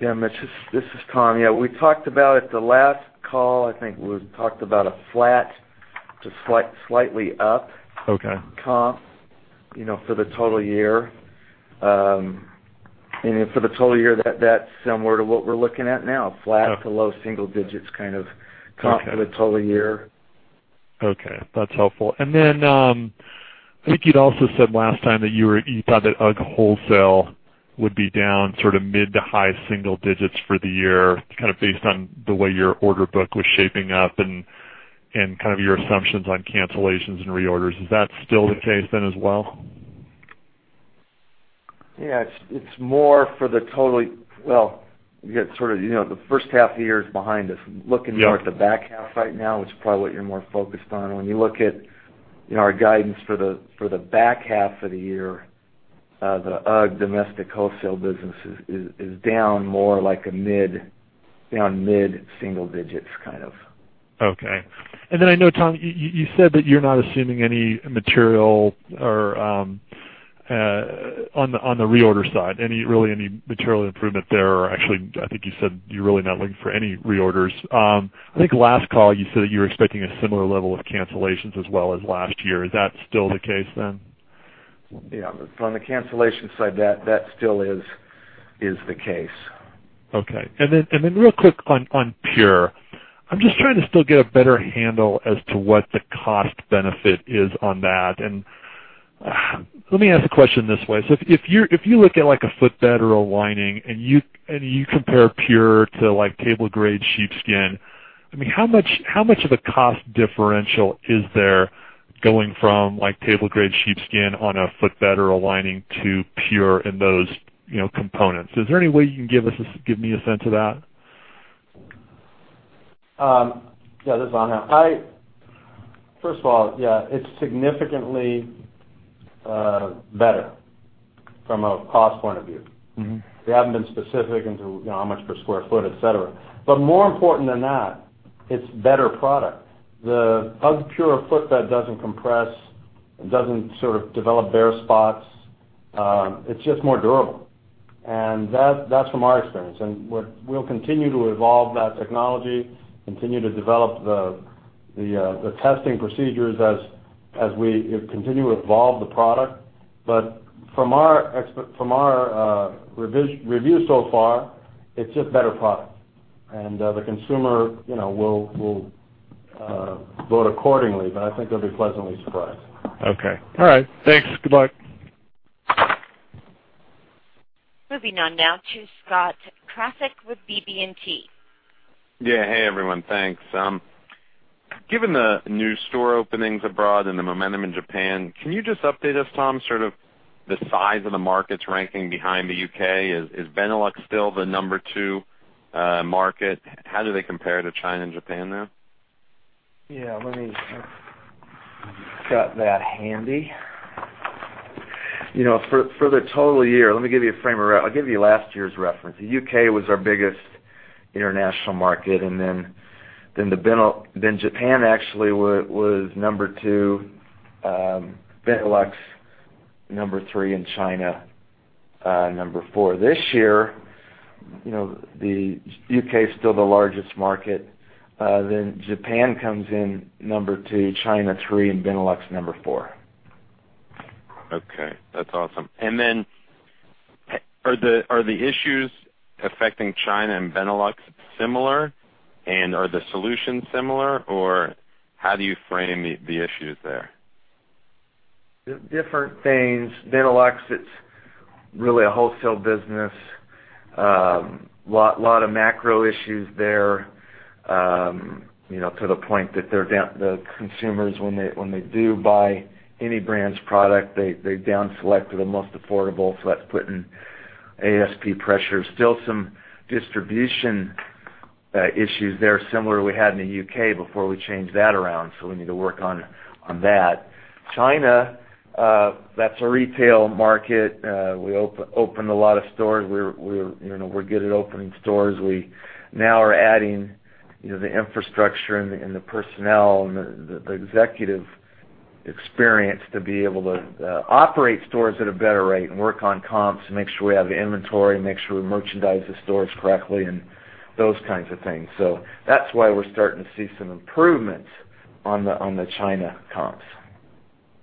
Mitch, this is Tom. We talked about at the last call, I think we talked about a flat to slightly up- Okay comp, for the total year. For the total year, that's similar to what we're looking at now, flat to low single digits kind of comp for the total year. Okay. That's helpful. I think you'd also said last time that you thought that UGG wholesale would be down sort of mid to high single digits for the year, kind of based on the way your order book was shaping up and kind of your assumptions on cancellations and reorders. Is that still the case then as well? It's more for the. Well, the first half of the year is behind us. Yeah. Looking more at the back half right now is probably what you're more focused on. When you look at our guidance for the back half of the year, the UGG domestic wholesale business is down more like a down mid single digits kind of. Okay. Then I know, Tom, you said that you're not assuming any material or on the reorder side, really any material improvement there or actually, I think you said you're really not looking for any reorders. I think last call you said you were expecting a similar level of cancellations as well as last year. Is that still the case then? Yeah, from the cancellation side, that still is the case. Okay. Then real quick on UGGpure. I'm just trying to still get a better handle as to what the cost benefit is on that. Let me ask the question this way. If you look at, like, a footbed or a lining and you compare UGGpure to, like, table-grade sheepskin, I mean, how much of a cost differential is there going from table-grade sheepskin on a footbed or a lining to UGGpure in those components? Is there any way you can give me a sense of that? Yeah, this is Angel. First of all, yeah, it's significantly better from a cost point of view. We haven't been specific into how much per square foot, et cetera. More important than that, it's better product. The UGGpure footbed doesn't compress It doesn't sort of develop bare spots. It's just more durable, and that's from our experience. We'll continue to evolve that technology, continue to develop the testing procedures as we continue to evolve the product. From our reviews so far, it's just a better product, and the consumer will vote accordingly, but I think they'll be pleasantly surprised. Okay. All right, thanks. Good luck. Moving on now to Scott Krasik with BB&T. Yeah. Hey, everyone. Thanks. Given the new store openings abroad and the momentum in Japan, can you just update us, Tom, sort of the size of the markets ranking behind the U.K.? Is Benelux still the number 2 market? How do they compare to China and Japan now? Yeah. I've got that handy. For the total year, I'll give you last year's reference. The U.K. was our biggest international market, Japan actually was number 2, Benelux number 3, and China number 4. This year, the U.K. is still the largest market. Japan comes in number 2, China 3, and Benelux number 4. Okay, that's awesome. Are the issues affecting China and Benelux similar, and are the solutions similar, or how do you frame the issues there? Different things. Benelux, it's really a wholesale business. Lot of macro issues there, to the point that the consumers, when they do buy any brand's product, they down-select to the most affordable, so that's putting ASP pressure. Still some distribution issues there, similar we had in the U.K. before we changed that around. We need to work on that. China, that's a retail market. We opened a lot of stores. We're good at opening stores. We now are adding the infrastructure and the personnel and the executive experience to be able to operate stores at a better rate and work on comps to make sure we have the inventory, make sure we merchandise the stores correctly and those kinds of things. That's why we're starting to see some improvements on the China comps.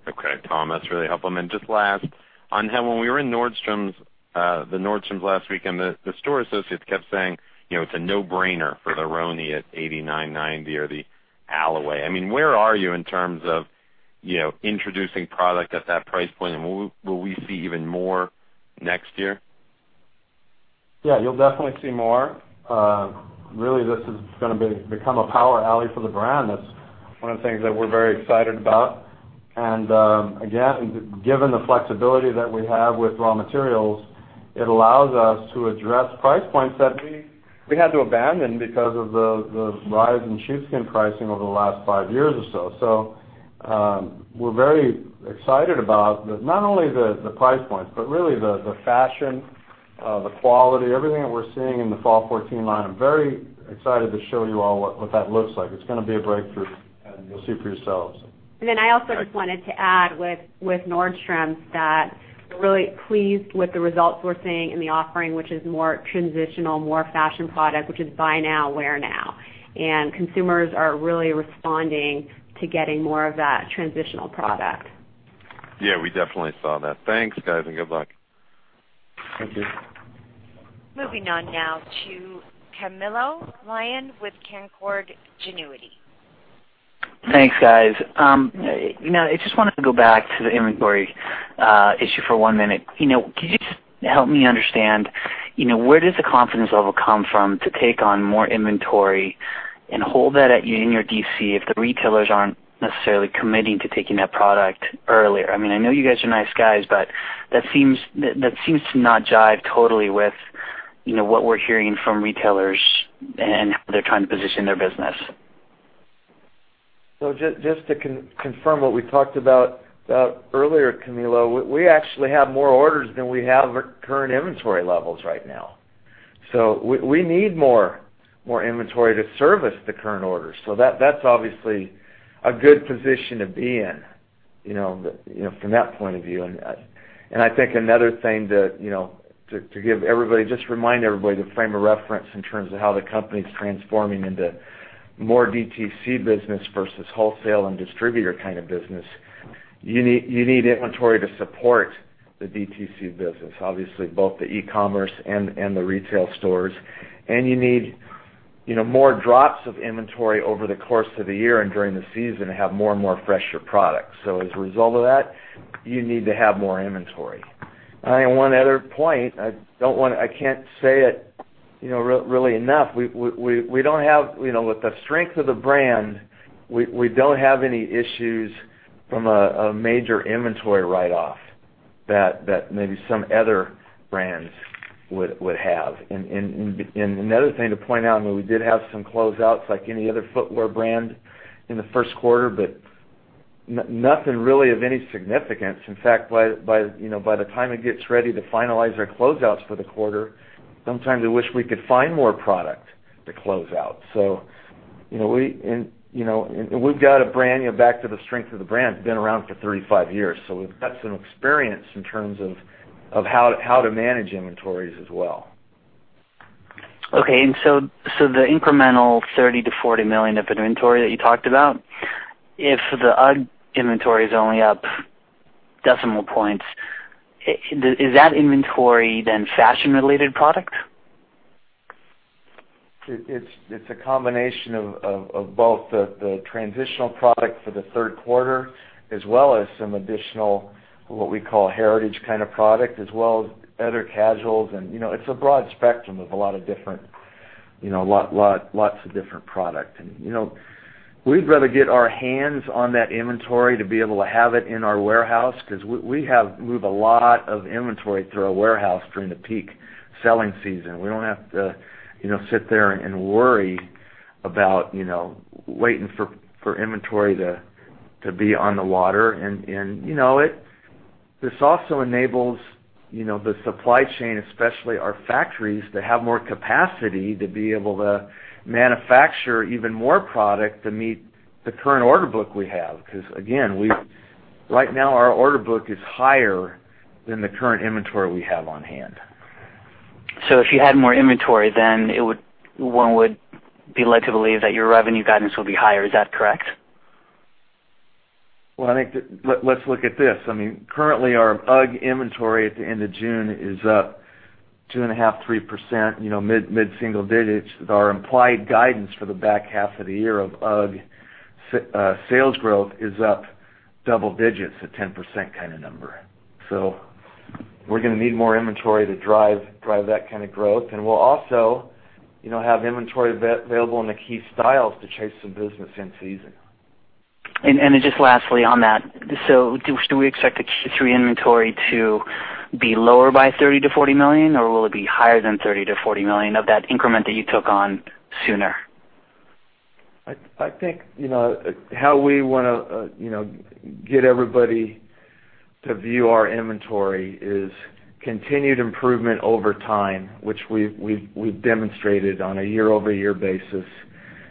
Okay, Tom, that's really helpful. Just last, on how when we were in Nordstrom last weekend, the store associates kept saying, it's a no-brainer for the Rylan at $89.90 or the Alloway. Where are you in terms of introducing product at that price point, and will we see even more next year? Yeah, you'll definitely see more. Really, this is going to become a power alley for the brand. That's one of the things that we're very excited about. Again, given the flexibility that we have with raw materials, it allows us to address price points that we had to abandon because of the rise in sheepskin pricing over the last five years or so. We're very excited about not only the price points, but really the fashion, the quality, everything that we're seeing in the fall 2014 line. I'm very excited to show you all what that looks like. It's going to be a breakthrough, and you'll see for yourselves. I also just wanted to add with Nordstrom, that we're really pleased with the results we're seeing in the offering, which is more transitional, more fashion product, which is buy now, wear now. Consumers are really responding to getting more of that transitional product. Yeah, we definitely saw that. Thanks, guys, and good luck. Thank you. Moving on now to Camilo with Canaccord Genuity. Thanks, guys. I just wanted to go back to the inventory issue for one minute. Could you just help me understand, where does the confidence level come from to take on more inventory and hold that in your DC if the retailers aren't necessarily committing to taking that product earlier? I know you guys are nice guys, but that seems to not jive totally with what we're hearing from retailers and how they're trying to position their business. just to confirm what we talked about earlier, Camilo, we actually have more orders than we have current inventory levels right now. We need more inventory to service the current orders. That's obviously a good position to be in, from that point of view. I think another thing to just remind everybody the frame of reference in terms of how the company is transforming into more DTC business versus wholesale and distributor kind of business. You need inventory to support the DTC business, obviously, both the e-commerce and the retail stores. You need more drops of inventory over the course of the year and during the season to have more and more fresher products. As a result of that, you need to have more inventory. One other point, I can't say it really enough. With the strength of the brand, we don't have any issues from a major inventory write-off that maybe some other brands would have. Another thing to point out, we did have some closeouts like any other footwear brand in the first quarter, but nothing really of any significance. In fact, by the time it gets ready to finalize our closeouts for the quarter, sometimes we wish we could find more product to close out. We've got a brand, back to the strength of the brand, it's been around for 35 years, we've got some experience in terms of how to manage inventories as well. Okay. The incremental $30 million-$40 million of inventory that you talked about, if the UGG inventory is only up decimal points, is that inventory then fashion-related product? It's a combination of both the transitional product for the third quarter as well as some additional, what we call, heritage kind of product, as well as other casuals. It's a broad spectrum of lots of different product. We'd rather get our hands on that inventory to be able to have it in our warehouse because we have moved a lot of inventory through our warehouse during the peak selling season. We don't have to sit there and worry about waiting for inventory to be on the water. This also enables the supply chain, especially our factories, to have more capacity to be able to manufacture even more product to meet the current order book we have. Again, right now our order book is higher than the current inventory we have on hand. If you had more inventory, then one would be led to believe that your revenue guidance will be higher. Is that correct? Well, I think let's look at this. Currently, our UGG inventory at the end of June is up 2.5%, 3%, mid-single digits. Our implied guidance for the back half of the year of UGG sales growth is up double digits, a 10% kind of number. We're going to need more inventory to drive that kind of growth. We'll also have inventory available in the key styles to chase some business in-season. Just lastly on that, do we expect the Q3 inventory to be lower by $30 million-$40 million, or will it be higher than $30 million-$40 million of that increment that you took on sooner? I think how we want to get everybody to view our inventory is continued improvement over time, which we've demonstrated on a year-over-year basis,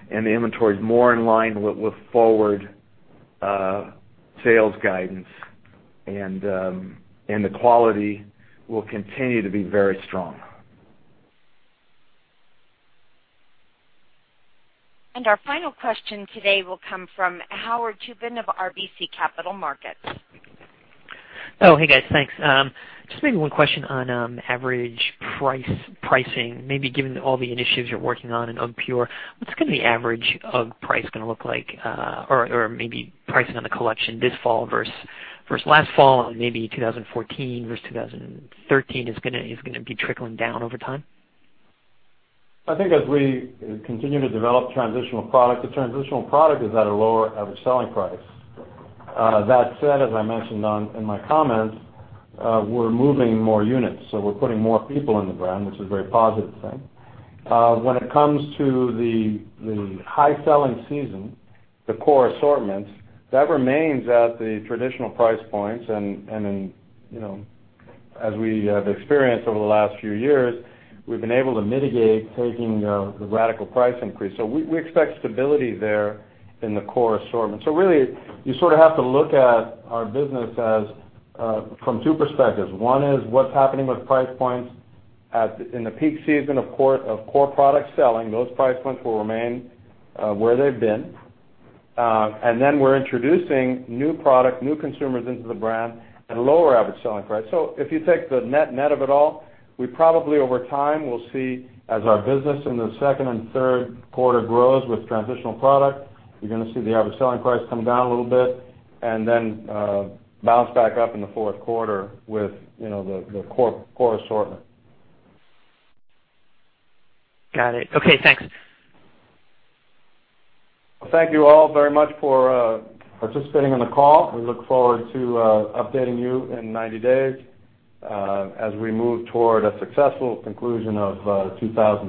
and the inventory is more in line with forward sales guidance. The quality will continue to be very strong. Our final question today will come from Howard Tubin of RBC Capital Markets. Oh, hey, guys. Thanks. Just maybe one question on average pricing. Maybe given all the initiatives you're working on in UGGpure, what's going to be average UGG price going to look like? Or maybe pricing on the collection this fall versus last fall, and maybe 2014 versus 2013 is going to be trickling down over time. I think as we continue to develop transitional product, the transitional product is at a lower average selling price. That said, as I mentioned in my comments, we're moving more units, so we're putting more people in the brand, which is a very positive thing. When it comes to the high selling season, the core assortments, that remains at the traditional price points. As we have experienced over the last few years, we've been able to mitigate taking the radical price increase. We expect stability there in the core assortment. Really, you sort of have to look at our business from two perspectives. One is what's happening with price points in the peak season of core product selling. Those price points will remain where they've been. Then we're introducing new product, new consumers into the brand at a lower average selling price. If you take the net of it all, we probably, over time, will see as our business in the second and third quarter grows with transitional product, you're going to see the average selling price come down a little bit and then bounce back up in the fourth quarter with the core assortment. Got it. Okay, thanks. Thank you all very much for participating on the call. We look forward to updating you in 90 days as we move toward a successful conclusion of 2013.